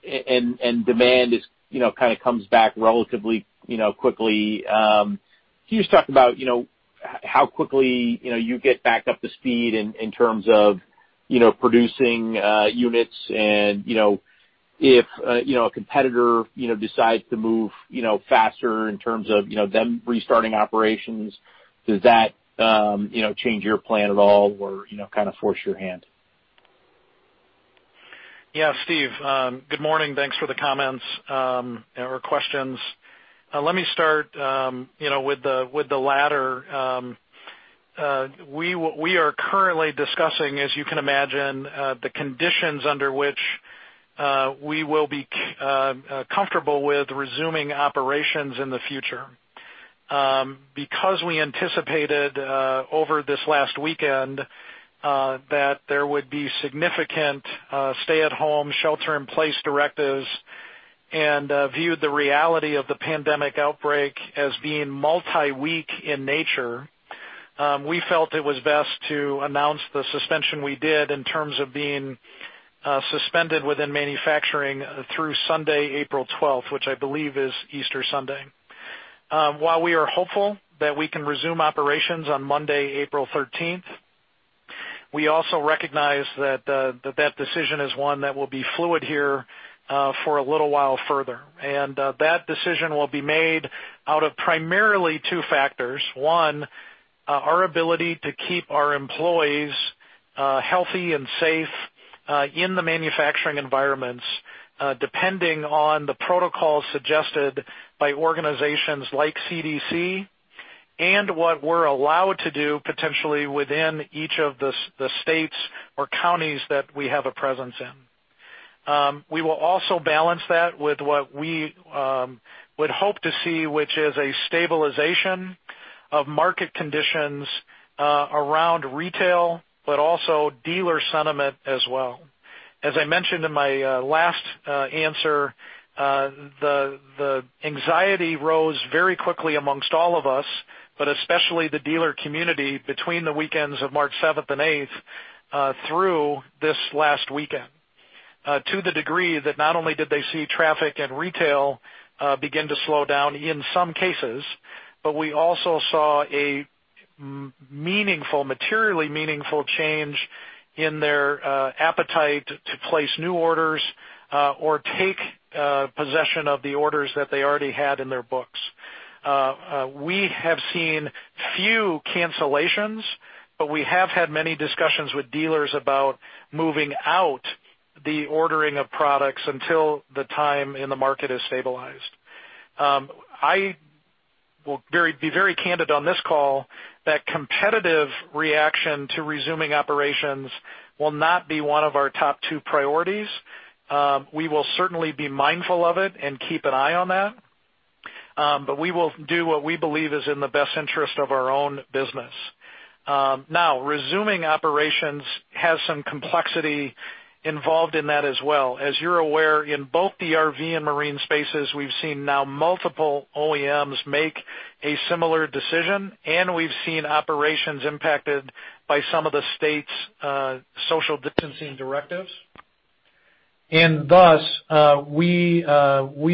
and demand kind of comes back relatively quickly, can you just talk about how quickly you get back up to speed in terms of producing units, and if a competitor decides to move faster in terms of them restarting operations, does that change your plan at all or kind of force your hand? Yeah, Steve, Good morning. Thanks for the comments or questions. Let me start with the latter. We are currently discussing, as you can imagine, the conditions under which we will be comfortable with resuming operations in the future. Because we anticipated over this last weekend that there would be significant stay-at-home, shelter-in-place directives and viewed the reality of the pandemic outbreak as being multi-week in nature, we felt it was best to announce the suspension we did in terms of being suspended within manufacturing through Sunday, April 12th, which I believe is Easter Sunday. While we are hopeful that we can resume operations on Monday, April 13th, we also recognize that that decision is one that will be fluid here for a little while further, and that decision will be made out of primarily two factors. One, our ability to keep our employees healthy and safe in the manufacturing environments depending on the protocols suggested by organizations like CDC and what we're allowed to do potentially within each of the states or counties that we have a presence in. We will also balance that with what we would hope to see, which is a stabilization of market conditions around retail, but also dealer sentiment as well. As I mentioned in my last answer, the anxiety rose very quickly amongst all of us, but especially the dealer community between the weekends of March 7th and 8th through this last weekend to the degree that not only did they see traffic and retail begin to slow down in some cases, but we also saw a materially meaningful change in their appetite to place new orders or take possession of the orders that they already had in their books. We have seen few cancellations, but we have had many discussions with dealers about moving out the ordering of products until the time in the market is stabilized. I will be very candid on this call that competitive reaction to resuming operations will not be one of our top two priorities. We will certainly be mindful of it and keep an eye on that, but we will do what we believe is in the best interest of our own business. Now, resuming operations has some complexity involved in that as well. As you're aware, in both the RV and marine spaces, we've seen now multiple OEMs make a similar decision, and we've seen operations impacted by some of the states' social distancing directives, and thus, we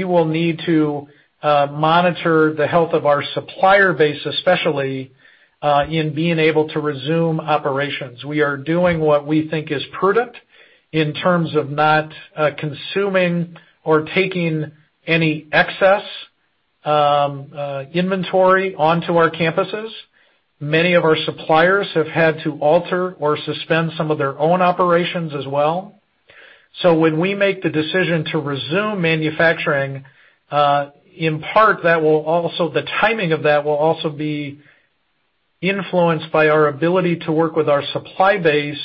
will need to monitor the health of our supplier base, especially in being able to resume operations. We are doing what we think is prudent in terms of not consuming or taking any excess inventory onto our campuses. Many of our suppliers have had to alter or suspend some of their own operations as well. So when we make the decision to resume manufacturing, in part, the timing of that will also be influenced by our ability to work with our supply base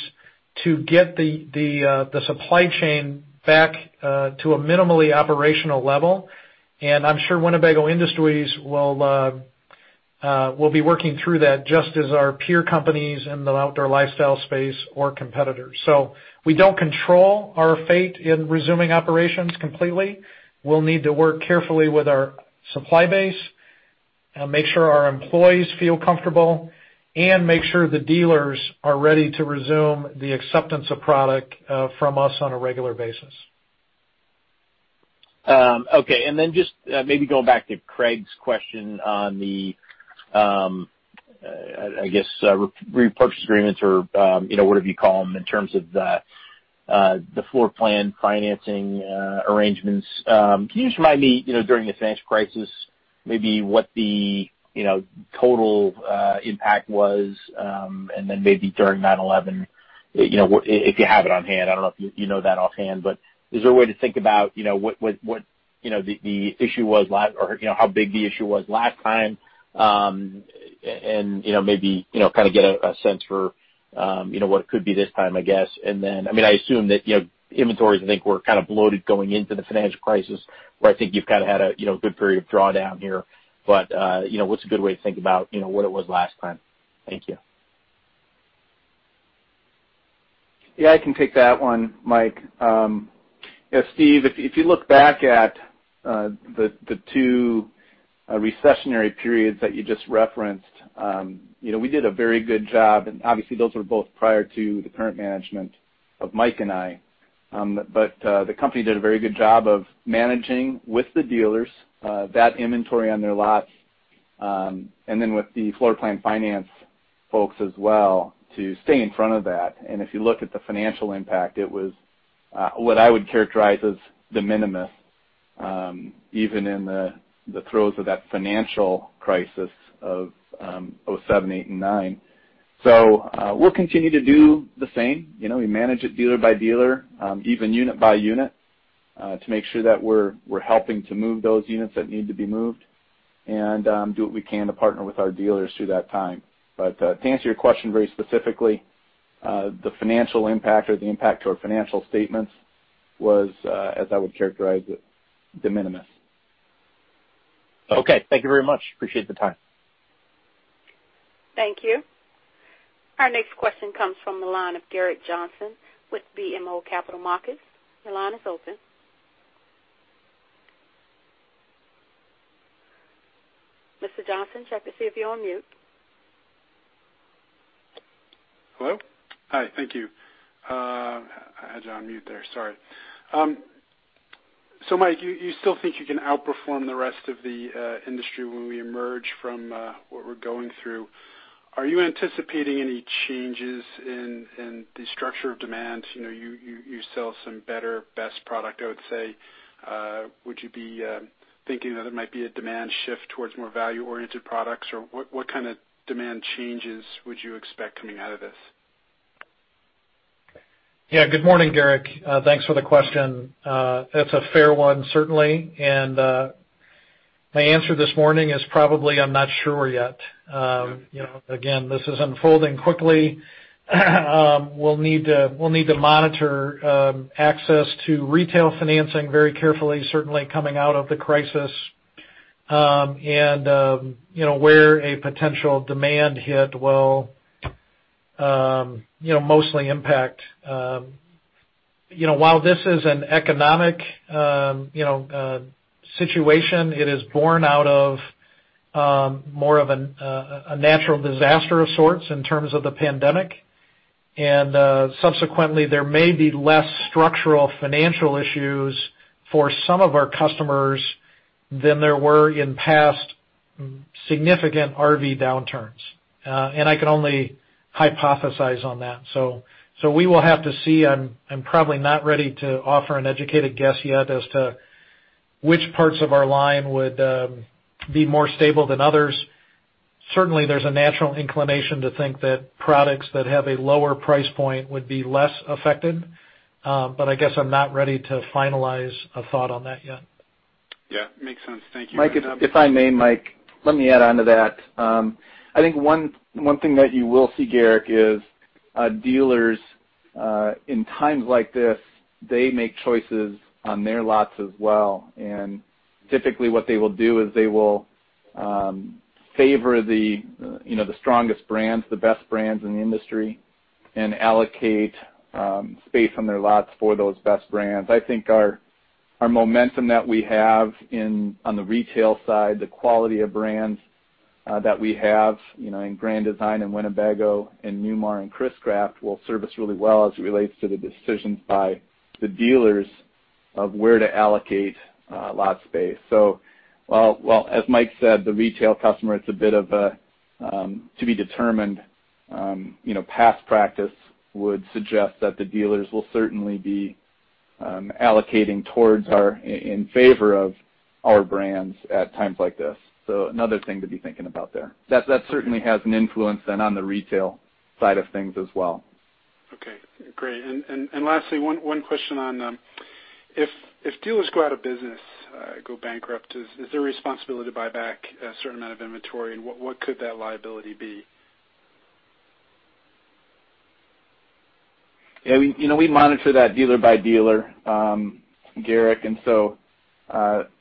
to get the supply chain back to a minimally operational level. And I'm sure Winnebago Industries will be working through that just as our peer companies in the outdoor lifestyle space or competitors. So we don't control our fate in resuming operations completely. We'll need to work carefully with our supply base, make sure our employees feel comfortable, and make sure the dealers are ready to resume the acceptance of product from us on a regular basis. Okay. And then just maybe going back to Craig's question on the, I guess, repurchase agreements or whatever you call them in terms of the floor plan financing arrangements, can you just remind me during the financial crisis maybe what the total impact was? And then maybe during 9/11, if you have it on hand, I don't know if you know that offhand, but is there a way to think about what the issue was or how big the issue was last time and maybe kind of get a sense for what it could be this time, I guess? And then, I mean, I assume that inventories, I think, were kind of bloated going into the financial crisis where I think you've kind of had a good period of drawdown here. But what's a good way to think about what it was last time? Thank you. Yeah, I can take that one, Mike. Steve, if you look back at the two recessionary periods that you just referenced, we did a very good job, and obviously, those were both prior to the current management of Mike and I, but the company did a very good job of managing with the dealers the inventory on their lots and then with the floor plan financing folks as well to stay in front of that. And if you look at the financial impact, it was what I would characterize as de minimis even in the throes of that financial crisis of 2007, 2008, and 2009. We'll continue to do the same. We manage it dealer by dealer, even unit by unit to make sure that we're helping to move those units that need to be moved and do what we can to partner with our dealers through that time. But to answer your question very specifically, the financial impact or the impact to our financial statements was, as I would characterize it, the minimum. Okay. Thank you very much. Appreciate the time. Thank you. Our next question comes from the line of Gerrick Johnson with BMO Capital Markets. Your line is open. Mr. Johnson, check to see if you're on mute. Hello? Hi. Thank you. I had you on mute there. Sorry. So Mike, you still think you can outperform the rest of the industry when we emerge from what we're going through? Are you anticipating any changes in the structure of demand? You sell some better, best product, I would say. Would you be thinking that there might be a demand shift towards more value-oriented products? Or what kind of demand changes would you expect coming out of this? Yeah. Good morning, Gerrick. Thanks for the question. It's a fair one, certainly, and my answer this morning is probably, "I'm not sure yet." Again, this is unfolding quickly. We'll need to monitor access to retail financing very carefully, certainly coming out of the crisis and where a potential demand hit will mostly impact. While this is an economic situation, it is born out of more of a natural disaster of sorts in terms of the pandemic, and subsequently, there may be less structural financial issues for some of our customers than there were in past significant RV downturns, and I can only hypothesize on that. So we will have to see. I'm probably not ready to offer an educated guess yet as to which parts of our line would be more stable than others. Certainly, there's a natural inclination to think that products that have a lower price point would be less affected, but I guess I'm not ready to finalize a thought on that yet. Yeah. Makes sense. Thank you. Mike, if I may, Mike, let me add on to that. I think one thing that you will see, Gerrick, is dealers in times like this, they make choices on their lots as well. And typically, what they will do is they will favor the strongest brands, the best brands in the industry, and allocate space on their lots for those best brands. I think our momentum that we have on the retail side, the quality of brands that we have in Grand Design and Winnebago and Newmar and Chris-Craft will serve us really well as it relates to the decisions by the dealers of where to allocate lot space. So as Mike said, the retail customer, it's a bit of a to be determined. Past practice would suggest that the dealers will certainly be allocating towards our in favor of our brands at times like this. So another thing to be thinking about there. That certainly has an influence then on the retail side of things as well. Okay. Great. And lastly, one question on if dealers go out of business, go bankrupt, is there a responsibility to buy back a certain amount of inventory? And what could that liability be? Yeah. We monitor that dealer by dealer, Gerrick, and so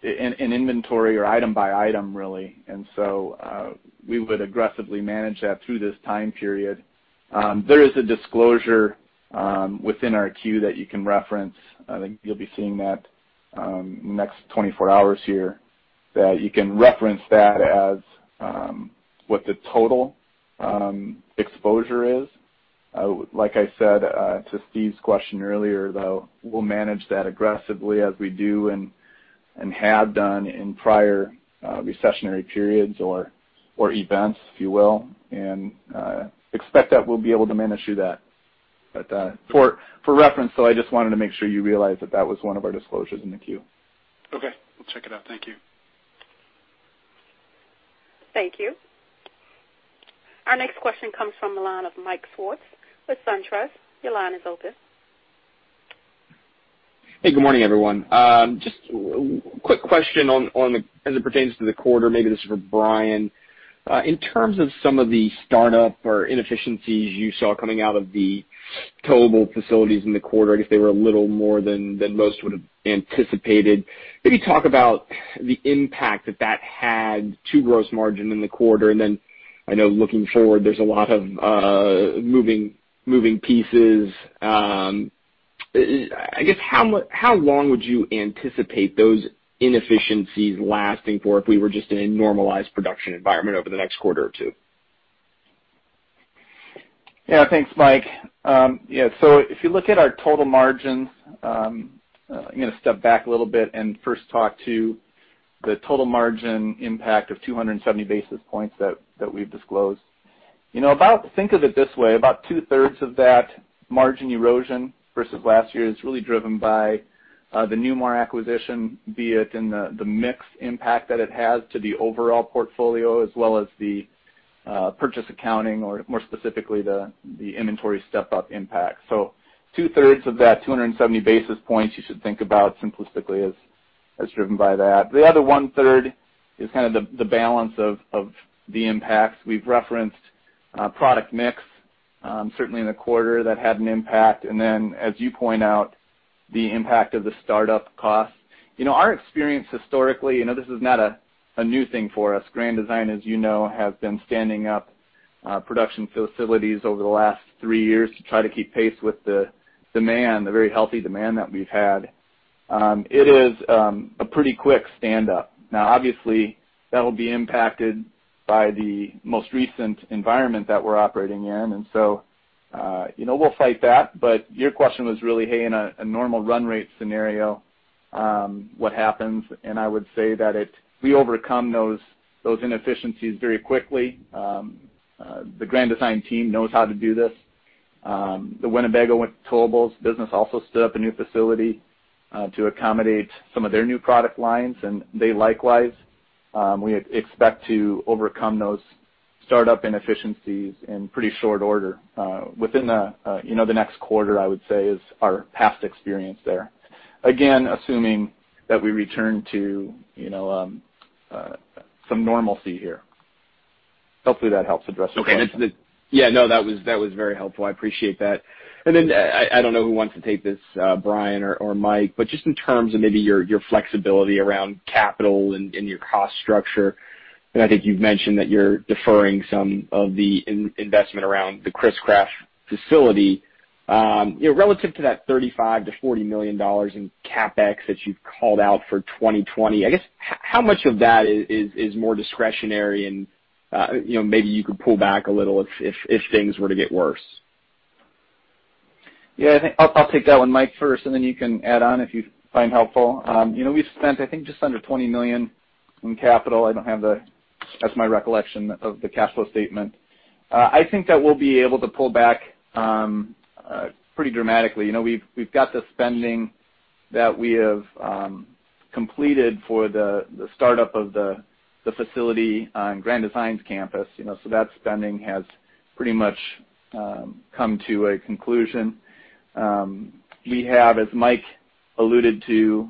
in inventory or item by item, really, and so we would aggressively manage that through this time period. There is a disclosure within our 10-Q that you can reference. I think you'll be seeing that in the next 24 hours here, that you can reference that as what the total exposure is. Like I said to Steve's question earlier, though, we'll manage that aggressively as we do and have done in prior recessionary periods or events, if you will, and expect that we'll be able to manage through that, but for reference, though, I just wanted to make sure you realize that that was one of our disclosures in the 10-Q. Okay. We'll check it out. Thank you. Thank you. Our next question comes from the line of Mike Swartz with Truist. Your line is open. Hey. Good morning, everyone. Just a quick question as it pertains to the quarter. Maybe this is for Bryan. In terms of some of the startup or inefficiencies you saw coming out of the towable facilities in the quarter, I guess they were a little more than most would have anticipated. Maybe talk about the impact that that had to gross margin in the quarter? And then I know looking forward, there's a lot of moving pieces. I guess how long would you anticipate those inefficiencies lasting for if we were just in a normalized production environment over the next quarter or two? Yeah. Thanks, Mike. Yeah. So if you look at our total margins, I'm going to step back a little bit and first talk to the total margin impact of 270 basis points that we've disclosed. Think of it this way. About two-thirds of that margin erosion versus last year is really driven by the Newmar acquisition, be it in the mix impact that it has to the overall portfolio as well as the purchase accounting or more specifically the inventory step-up impact. So two-thirds of that 270 basis points you should think about simplistically as driven by that. The other one-third is kind of the balance of the impacts. We've referenced product mix, certainly in the quarter, that had an impact. And then, as you point out, the impact of the startup costs. Our experience historically. This is not a new thing for us. Grand Design, as you know, has been standing up production facilities over the last three years to try to keep pace with the demand, the very healthy demand that we've had. It is a pretty quick stand-up. Now, obviously, that will be impacted by the most recent environment that we're operating in. And so we'll fight that. But your question was really, "Hey, in a normal run rate scenario, what happens?" And I would say that we overcome those inefficiencies very quickly. The Grand Design team knows how to do this. The Winnebago and Towables business also stood up a new facility to accommodate some of their new product lines. And they likewise. We expect to overcome those startup inefficiencies in pretty short order within the next quarter, I would say, is our past experience there. Again, assuming that we return to some normalcy here. Hopefully, that helps address the question. Yeah. No, that was very helpful. I appreciate that. And then I don't know who wants to take this, Bryan or Mike, but just in terms of maybe your flexibility around capital and your cost structure. And I think you've mentioned that you're deferring some of the investment around the Chris-Craft facility. Relative to that $35-$40 million in CapEx that you've called out for 2020, I guess how much of that is more discretionary? And maybe you could pull back a little if things were to get worse. Yeah. I'll take that one, Mike, first, and then you can add on if you find helpful. We've spent, I think, just under $20 million in capital. I don't have the—that's my recollection of the cash flow statement. I think that we'll be able to pull back pretty dramatically. We've got the spending that we have completed for the startup of the facility on Grand Design's campus. So that spending has pretty much come to a conclusion. We have, as Mike alluded to,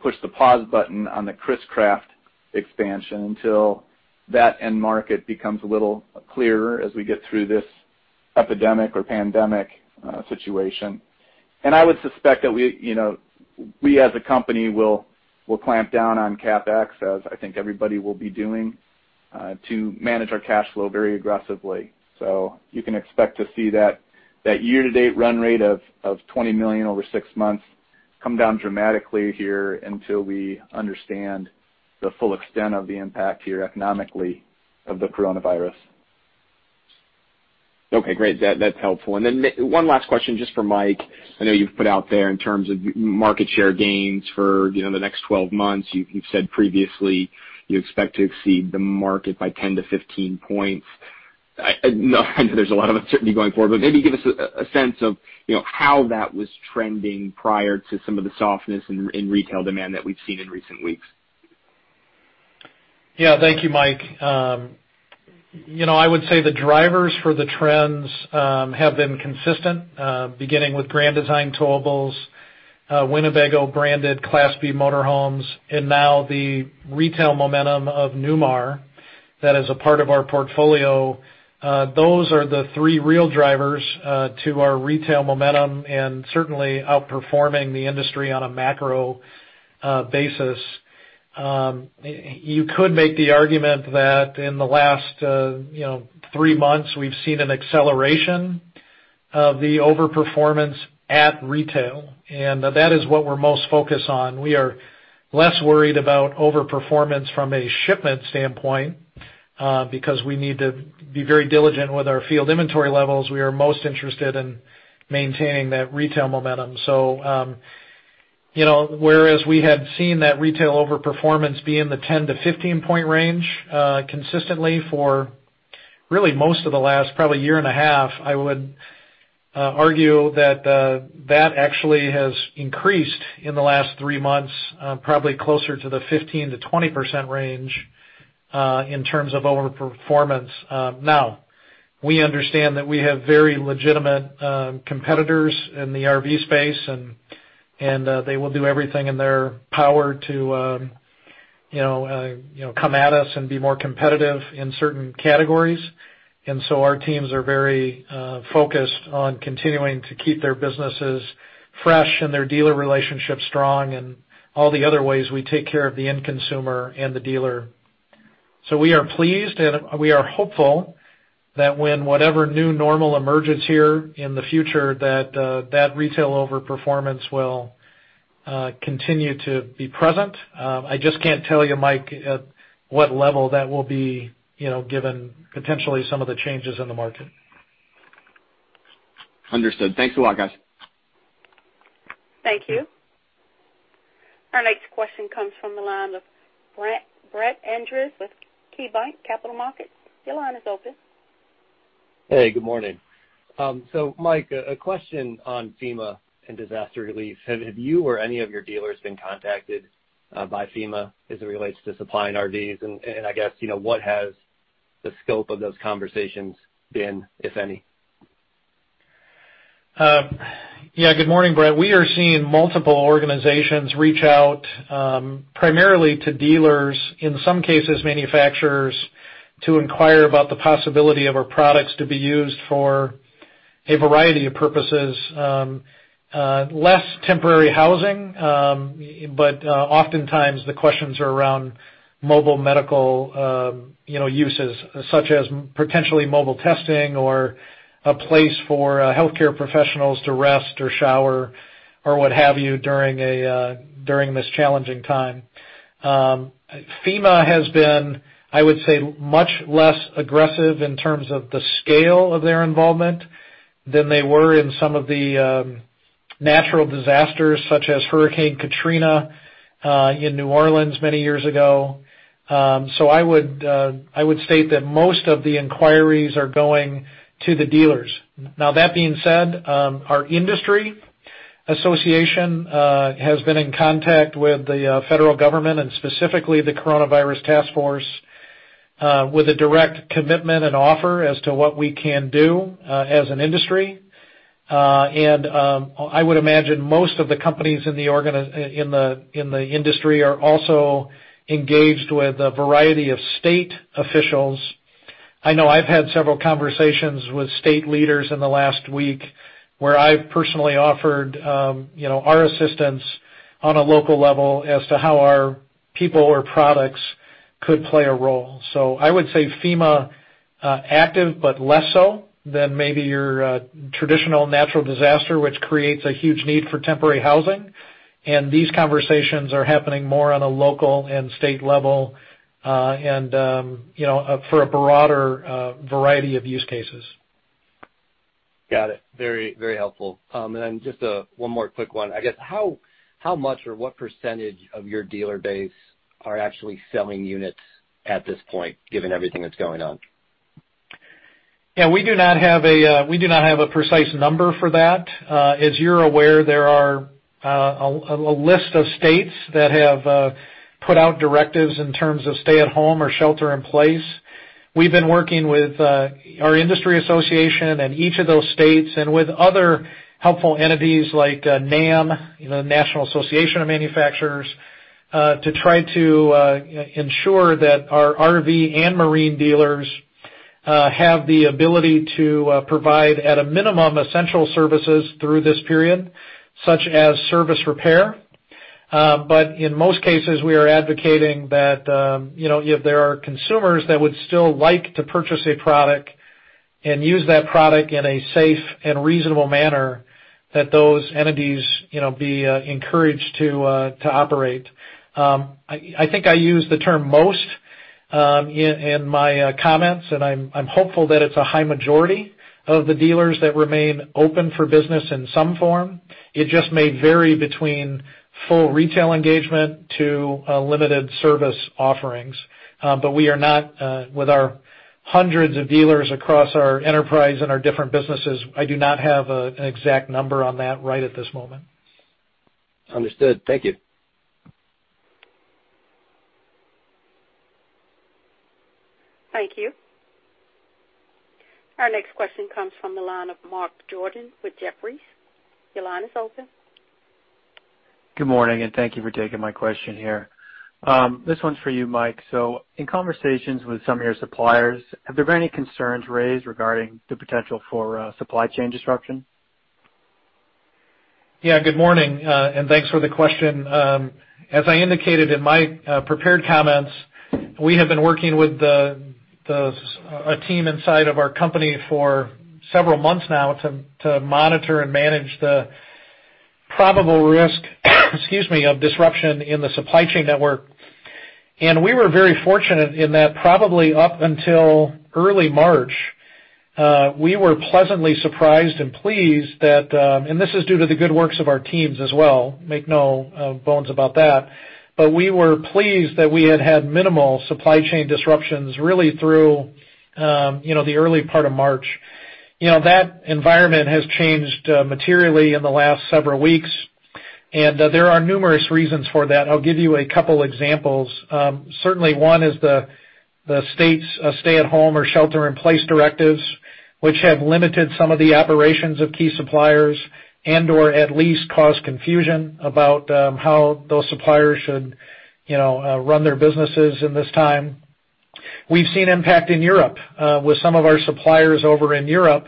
pushed the pause button on the Chris-Craft expansion until that end market becomes a little clearer as we get through this epidemic or pandemic situation. And I would suspect that we, as a company, will clamp down on CapEx, as I think everybody will be doing, to manage our cash flow very aggressively. So you can expect to see that year-to-date run rate of $20 million over six months come down dramatically here until we understand the full extent of the impact here economically of the coronavirus. Okay. Great. That's helpful. And then one last question just for Mike. I know you've put out there in terms of market share gains for the next 12 months. You've said previously you expect to exceed the market by 10 to 15 points. I know there's a lot of uncertainty going forward, but maybe give us a sense of how that was trending prior to some of the softness in retail demand that we've seen in recent weeks. Yeah. Thank you, Mike. I would say the drivers for the trends have been consistent, beginning with Grand Design, Towables, Winnebago branded Class B motorhomes, and now the retail momentum of Newmar that is a part of our portfolio. Those are the three real drivers to our retail momentum and certainly outperforming the industry on a macro basis. You could make the argument that in the last three months, we've seen an acceleration of the overperformance at retail, and that is what we're most focused on. We are less worried about overperformance from a shipment standpoint because we need to be very diligent with our field inventory levels. We are most interested in maintaining that retail momentum. So whereas we had seen that retail overperformance be in the 10- to 15-point range consistently for really most of the last probably year and a half, I would argue that that actually has increased in the last three months, probably closer to the 15%-20% range in terms of overperformance. Now, we understand that we have very legitimate competitors in the RV space, and they will do everything in their power to come at us and be more competitive in certain categories. And so our teams are very focused on continuing to keep their businesses fresh and their dealer relationships strong and all the other ways we take care of the end consumer and the dealer. So we are pleased, and we are hopeful that when whatever new normal emerges here in the future, that that retail overperformance will continue to be present. I just can't tell you, Mike, at what level that will be given potentially some of the changes in the market. Understood. Thanks a lot, guys. Thank you. Our next question comes from the line of Brett Andress with KeyBanc Capital Markets. Your line is open. Hey. Good morning. So Mike, a question on FEMA and disaster relief. Have you or any of your dealers been contacted by FEMA as it relates to supplying RVs? And I guess what has the scope of those conversations been, if any? Yeah. Good morning, Brett. We are seeing multiple organizations reach out primarily to dealers, in some cases manufacturers, to inquire about the possibility of our products to be used for a variety of purposes. Like temporary housing, but oftentimes the questions are around mobile medical uses such as potentially mobile testing or a place for healthcare professionals to rest or shower or what have you during this challenging time. FEMA has been, I would say, much less aggressive in terms of the scale of their involvement than they were in some of the natural disasters such as Hurricane Katrina in New Orleans many years ago. So I would state that most of the inquiries are going to the dealers. Now, that being said, our industry association has been in contact with the federal government and specifically the Coronavirus Task Force with a direct commitment and offer as to what we can do as an industry. And I would imagine most of the companies in the industry are also engaged with a variety of state officials. I know I've had several conversations with state leaders in the last week where I've personally offered our assistance on a local level as to how our people or products could play a role. So I would say FEMA active, but less so than maybe your traditional natural disaster, which creates a huge need for temporary housing. And these conversations are happening more on a local and state level and for a broader variety of use cases. Got it. Very, very helpful. And then just one more quick one. I guess how much or what percentage of your dealer base are actually selling units at this point, given everything that's going on? Yeah. We do not have a precise number for that. As you're aware, there are a list of states that have put out directives in terms of stay-at-home or shelter-in-place. We've been working with our industry association and each of those states and with other helpful entities like NAM, the National Association of Manufacturers, to try to ensure that our RV and marine dealers have the ability to provide, at a minimum, essential services through this period, such as service repair. But in most cases, we are advocating that if there are consumers that would still like to purchase a product and use that product in a safe and reasonable manner, that those entities be encouraged to operate. I think I used the term most in my comments, and I'm hopeful that it's a high majority of the dealers that remain open for business in some form. It just may vary between full retail engagement to limited service offerings. But we are not, with our hundreds of dealers across our enterprise and our different businesses, I do not have an exact number on that right at this moment. Understood. Thank you. Thank you. Our next question comes from the line of Bret Jordan with Jefferies. Your line is open. Good morning, and thank you for taking my question here. This one's for you, Mike. So in conversations with some of your suppliers, have there been any concerns raised regarding the potential for supply chain disruption? Yeah. Good morning, and thanks for the question. As I indicated in my prepared comments, we have been working with a team inside of our company for several months now to monitor and manage the probable risk, excuse me, of disruption in the supply chain network. And we were very fortunate in that probably up until early March, we were pleasantly surprised and pleased that—and this is due to the good works of our teams as well, make no bones about that—but we were pleased that we had had minimal supply chain disruptions really through the early part of March. That environment has changed materially in the last several weeks, and there are numerous reasons for that. I'll give you a couple of examples. Certainly, one is the state's stay-at-home or shelter-in-place directives, which have limited some of the operations of key suppliers and/or at least caused confusion about how those suppliers should run their businesses in this time. We've seen impact in Europe with some of our suppliers over in Europe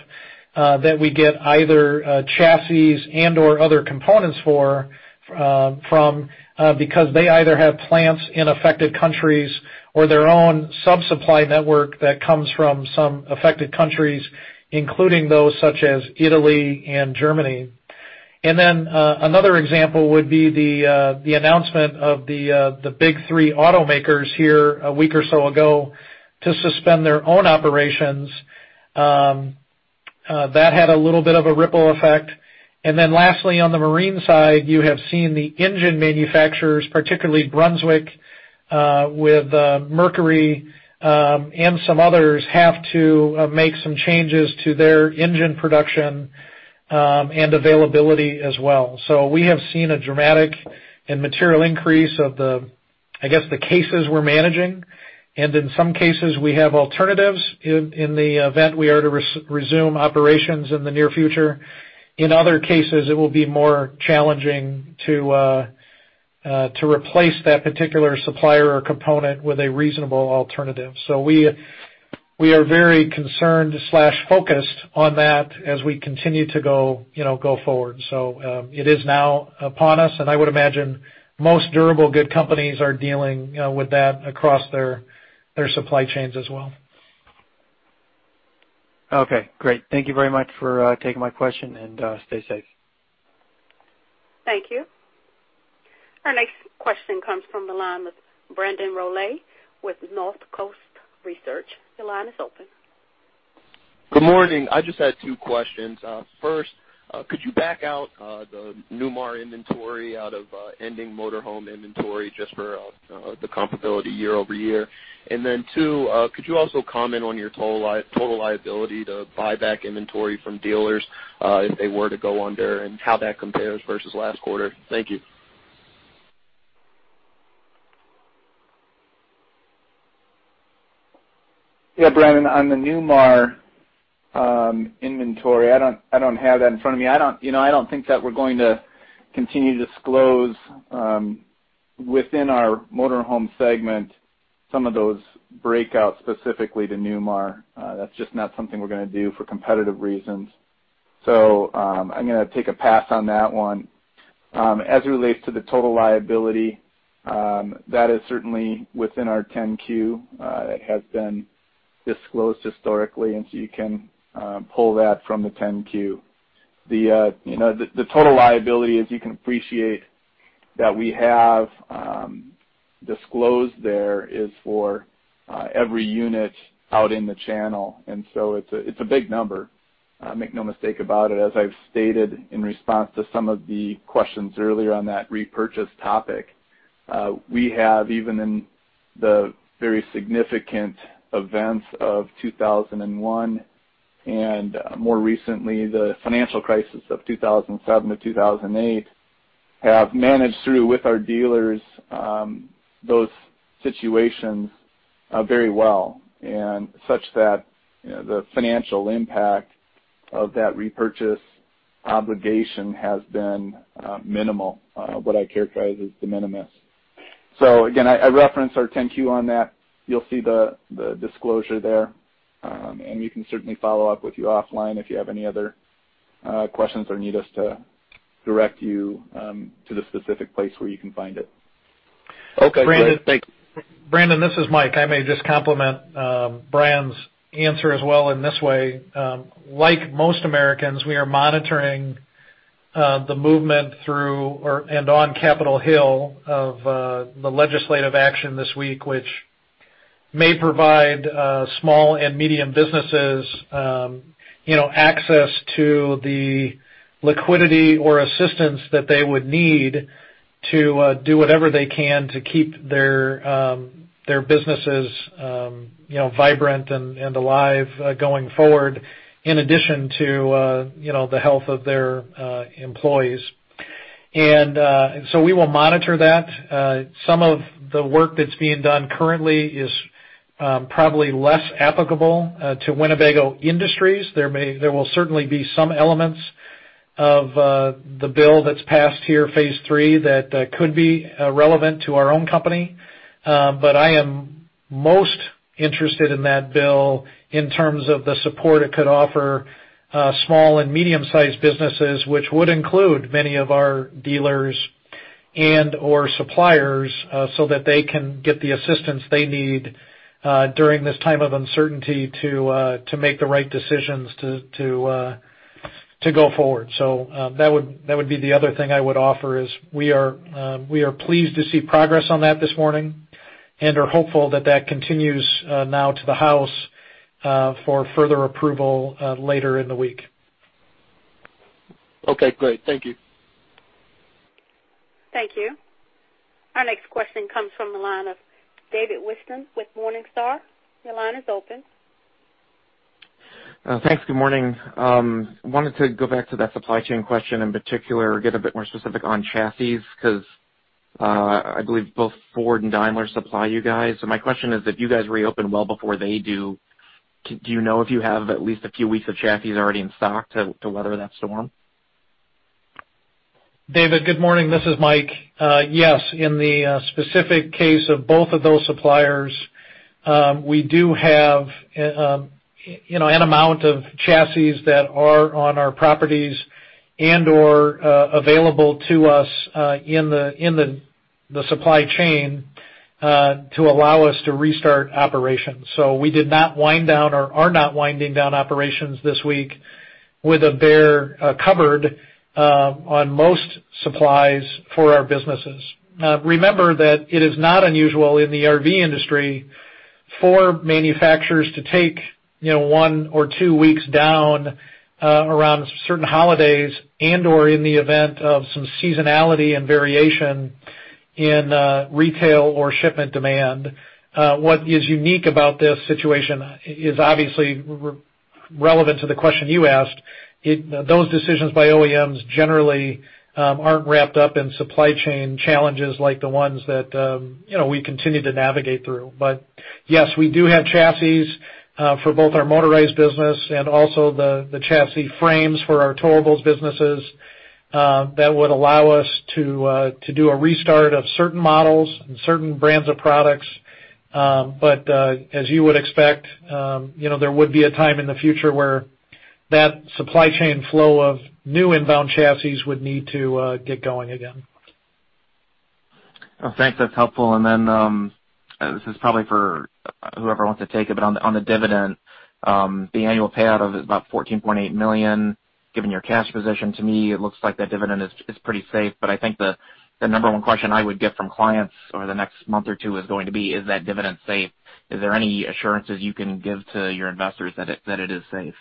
that we get either chassis and/or other components for from because they either have plants in affected countries or their own sub-supply network that comes from some affected countries, including those such as Italy and Germany. And then another example would be the announcement of the Big Three automakers here a week or so ago to suspend their own operations. That had a little bit of a ripple effect. And then lastly, on the marine side, you have seen the engine manufacturers, particularly Brunswick with Mercury and some others, have to make some changes to their engine production and availability as well. So we have seen a dramatic and material increase of the, I guess, the cases we're managing. And in some cases, we have alternatives in the event we are to resume operations in the near future. In other cases, it will be more challenging to replace that particular supplier or component with a reasonable alternative. So we are very concerned, focused on that as we continue to go forward. So it is now upon us, and I would imagine most durable good companies are dealing with that across their supply chains as well. Okay. Great. Thank you very much for taking my question, and stay safe. Thank you. Our next question comes from the line of Brandon Rolle with Northcoast Research. Your line is open. Good morning. I just had two questions. First, could you back out the Newmar inventory out of ending Motorhome inventory just for the comparability year-over-year? And then two, could you also comment on your total liability to buy back inventory from dealers if they were to go under and how that compares versus last quarter? Thank you. Yeah. Brandon, on the Newmar inventory, I don't have that in front of me. I don't think that we're going to continue to disclose within our Motorhome segment some of those breakouts specifically to Newmar. That's just not something we're going to do for competitive reasons. So I'm going to take a pass on that one. As it relates to the total liability, that is certainly within our 10-Q. It has been disclosed historically, and so you can pull that from the 10-Q. The total liability, as you can appreciate, that we have disclosed there is for every unit out in the channel. And so it's a big number. Make no mistake about it. As I've stated in response to some of the questions earlier on that repurchase topic, we have even in the very significant events of 2001 and more recently, the financial crisis of 2007 to 2008 have managed through with our dealers those situations very well such that the financial impact of that repurchase obligation has been minimal, what I characterize as de minimis, so again, I referenced our 10-Q on that. You'll see the disclosure there, and we can certainly follow up with you offline if you have any other questions or need us to direct you to the specific place where you can find it. Okay. Brandon, this is Mike. I may just compliment Brandon's answer as well in this way. Like most Americans, we are monitoring the movement through and on Capitol Hill of the legislative action this week, which may provide small and medium businesses access to the liquidity or assistance that they would need to do whatever they can to keep their businesses vibrant and alive going forward, in addition to the health of their employees. And so we will monitor that. Some of the work that's being done currently is probably less applicable to Winnebago Industries. There will certainly be some elements of the bill that's passed here, Phase Three, that could be relevant to our own company. But I am most interested in that bill in terms of the support it could offer small and medium-sized businesses, which would include many of our dealers and/or suppliers so that they can get the assistance they need during this time of uncertainty to make the right decisions to go forward. So that would be the other thing I would offer is we are pleased to see progress on that this morning and are hopeful that that continues now to the House for further approval later in the week. Okay. Great. Thank you. Thank you. Our next question comes from the line of David Whiston with Morningstar. Your line is open. Thanks. Good morning. I wanted to go back to that supply chain question in particular, get a bit more specific on chassis because I believe both Ford and Daimler supply you guys. So my question is, if you guys reopen well before they do, do you know if you have at least a few weeks of chassis already in stock to weather that storm? David, good morning. This is Mike. Yes. In the specific case of both of those suppliers, we do have an amount of chassis that are on our properties and/or available to us in the supply chain to allow us to restart operations. So we did not wind down or are not winding down operations this week with bare coverage on most supplies for our businesses. Remember that it is not unusual in the RV industry for manufacturers to take one or two weeks down around certain holidays and/or in the event of some seasonality and variation in retail or shipment demand. What is unique about this situation is obviously relevant to the question you asked. Those decisions by OEMs generally aren't wrapped up in supply chain challenges like the ones that we continue to navigate through. But yes, we do have chassis for both our motorized business and also the chassis frames for our towables businesses that would allow us to do a restart of certain models and certain brands of products. But as you would expect, there would be a time in the future where that supply chain flow of new inbound chassis would need to get going again. Thanks. That's helpful. Then this is probably for whoever wants to take it, but on the dividend, the annual payout of about $14.8 million, given your cash position, to me, it looks like that dividend is pretty safe. But I think the number one question I would get from clients over the next month or two is going to be, is that dividend safe? Is there any assurances you can give to your investors that it is safe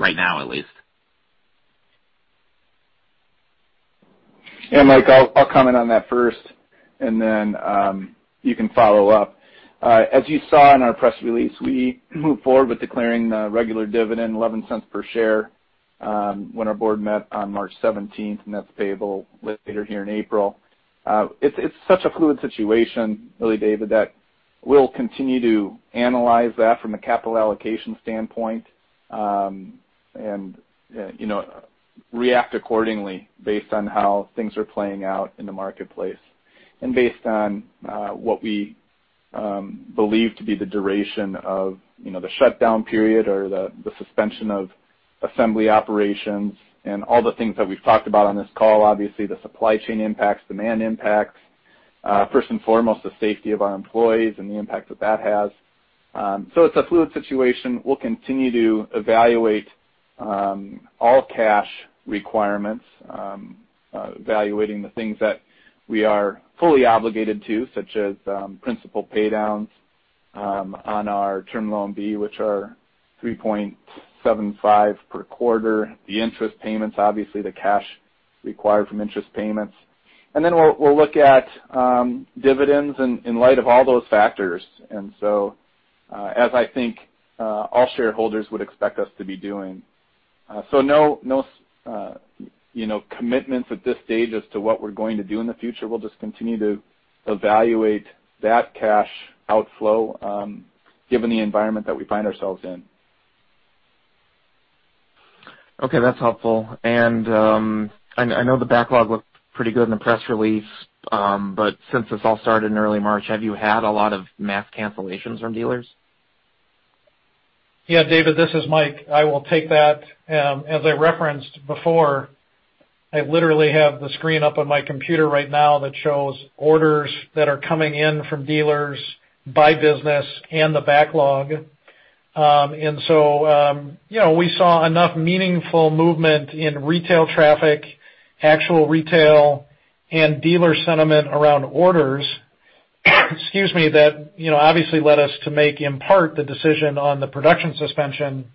right now, at least? Yeah. Mike, I'll comment on that first, and then you can follow up. As you saw in our press release, we moved forward with declaring the regular dividend, $0.11 per share, when our board met on March 17th, and that's payable later here in April. It's such a fluid situation, really, David, that we'll continue to analyze that from a capital allocation standpoint and react accordingly based on how things are playing out in the marketplace and based on what we believe to be the duration of the shutdown period or the suspension of assembly operations and all the things that we've talked about on this call, obviously, the supply chain impacts, demand impacts, first and foremost, the safety of our employees and the impact that that has. So it's a fluid situation. We'll continue to evaluate all cash requirements, evaluating the things that we are fully obligated to, such as principal paydowns on our Term Loan B, which are $3.75 per quarter, the interest payments, obviously, the cash required from interest payments, and then we'll look at dividends in light of all those factors, and so as I think all shareholders would expect us to be doing, so no commitments at this stage as to what we're going to do in the future. We'll just continue to evaluate that cash outflow given the environment that we find ourselves in. Okay. That's helpful. And I know the backlog looked pretty good in the press release, but since this all started in early March, have you had a lot of mass cancellations from dealers? Yeah. David, this is Mike. I will take that. As I referenced before, I literally have the screen up on my computer right now that shows orders that are coming in from dealers by business and the backlog. And so we saw enough meaningful movement in retail traffic, actual retail, and dealer sentiment around orders, excuse me, that obviously led us to make in part the decision on the production suspension.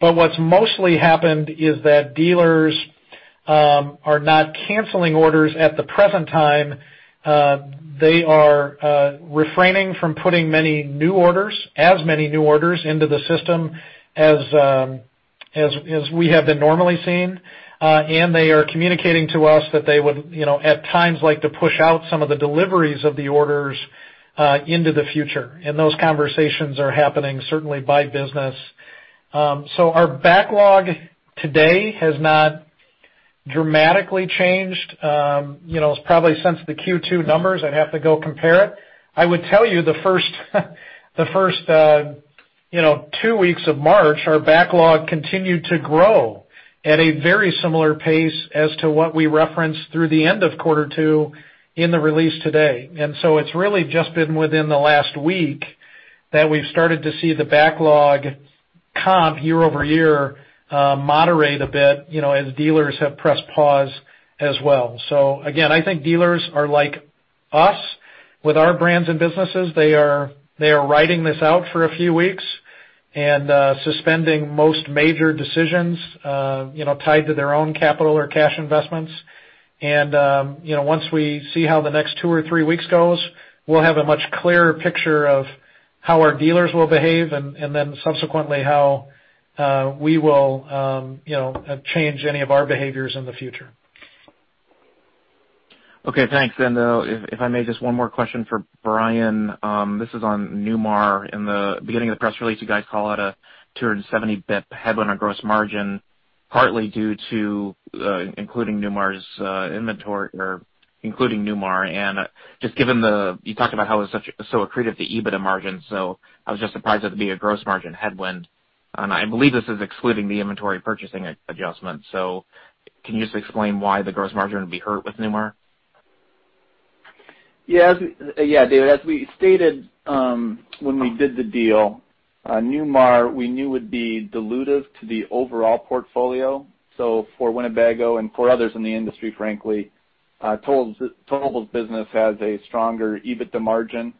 But what's mostly happened is that dealers are not canceling orders at the present time. They are refraining from putting as many new orders into the system as we have been normally seeing. And they are communicating to us that they would, at times, like to push out some of the deliveries of the orders into the future. And those conversations are happening certainly by business. So our backlog today has not dramatically changed. It's probably since the Q2 numbers. I'd have to go compare it. I would tell you the first two weeks of March, our backlog continued to grow at a very similar pace as to what we referenced through the end of quarter two in the release today, and so it's really just been within the last week that we've started to see the backlog comp year-over-year moderate a bit as dealers have pressed pause as well, so again, I think dealers are like us with our brands and businesses. They are writing this out for a few weeks and suspending most major decisions tied to their own capital or cash investments, and once we see how the next two or three weeks goes, we'll have a much clearer picture of how our dealers will behave and then subsequently how we will change any of our behaviors in the future. Okay. Thanks. And if I may, just one more question for Bryan. This is on Newmar. In the beginning of the press release, you guys call out a 270 basis points headline gross margin, partly due to including Newmar's inventory or including Newmar. And just given the—you talked about how it was so accretive, the EBITDA margin. So I was just surprised that it'd be a gross margin headwind. And I believe this is excluding the inventory purchasing adjustment. So can you just explain why the gross margin would be hurt with Newmar? Yeah. David, as we stated when we did the deal, Newmar we knew would be dilutive to the overall portfolio. So for Winnebago and for others in the industry, frankly, Towables business has a stronger EBITDA margin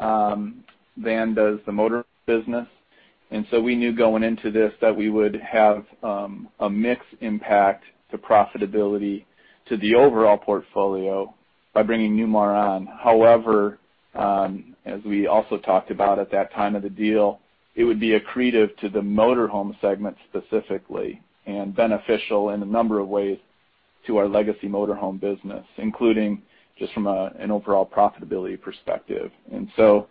than does the motor business. And so we knew going into this that we would have a mixed impact to profitability to the overall portfolio by bringing Newmar on. However, as we also talked about at that time of the deal, it would be accretive to the Motorhome segment specifically and beneficial in a number of ways to our legacy Motorhome business, including just from an overall profitability perspective. And so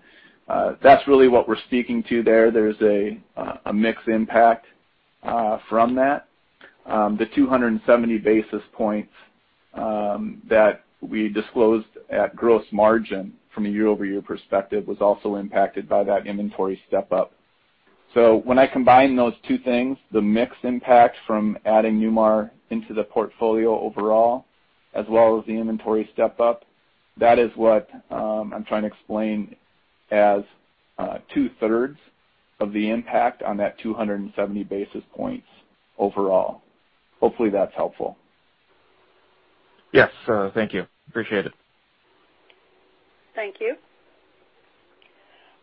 that's really what we're speaking to there. There's a mixed impact from that. The 270 basis points that we disclosed at gross margin from a year-over-year perspective was also impacted by that inventory step-up. So when I combine those two things, the mixed impact from adding Newmar into the portfolio overall as well as the inventory step-up, that is what I'm trying to explain as two-thirds of the impact on that 270 basis points overall. Hopefully, that's helpful. Yes. Thank you. Appreciate it. Thank you.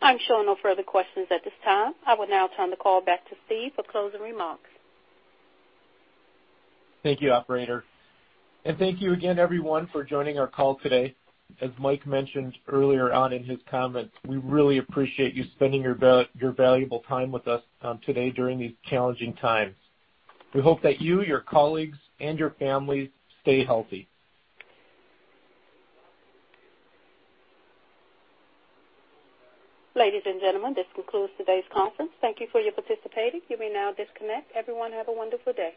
I'm showing no further questions at this time. I will now turn the call back to Steve for closing remarks. Thank you, operator. And thank you again, everyone, for joining our call today. As Mike mentioned earlier on in his comments, we really appreciate you spending your valuable time with us today during these challenging times. We hope that you, your colleagues, and your families stay healthy. Ladies and gentlemen, this concludes today's conference. Thank you for participating. You may now disconnect. Everyone, have a wonderful day.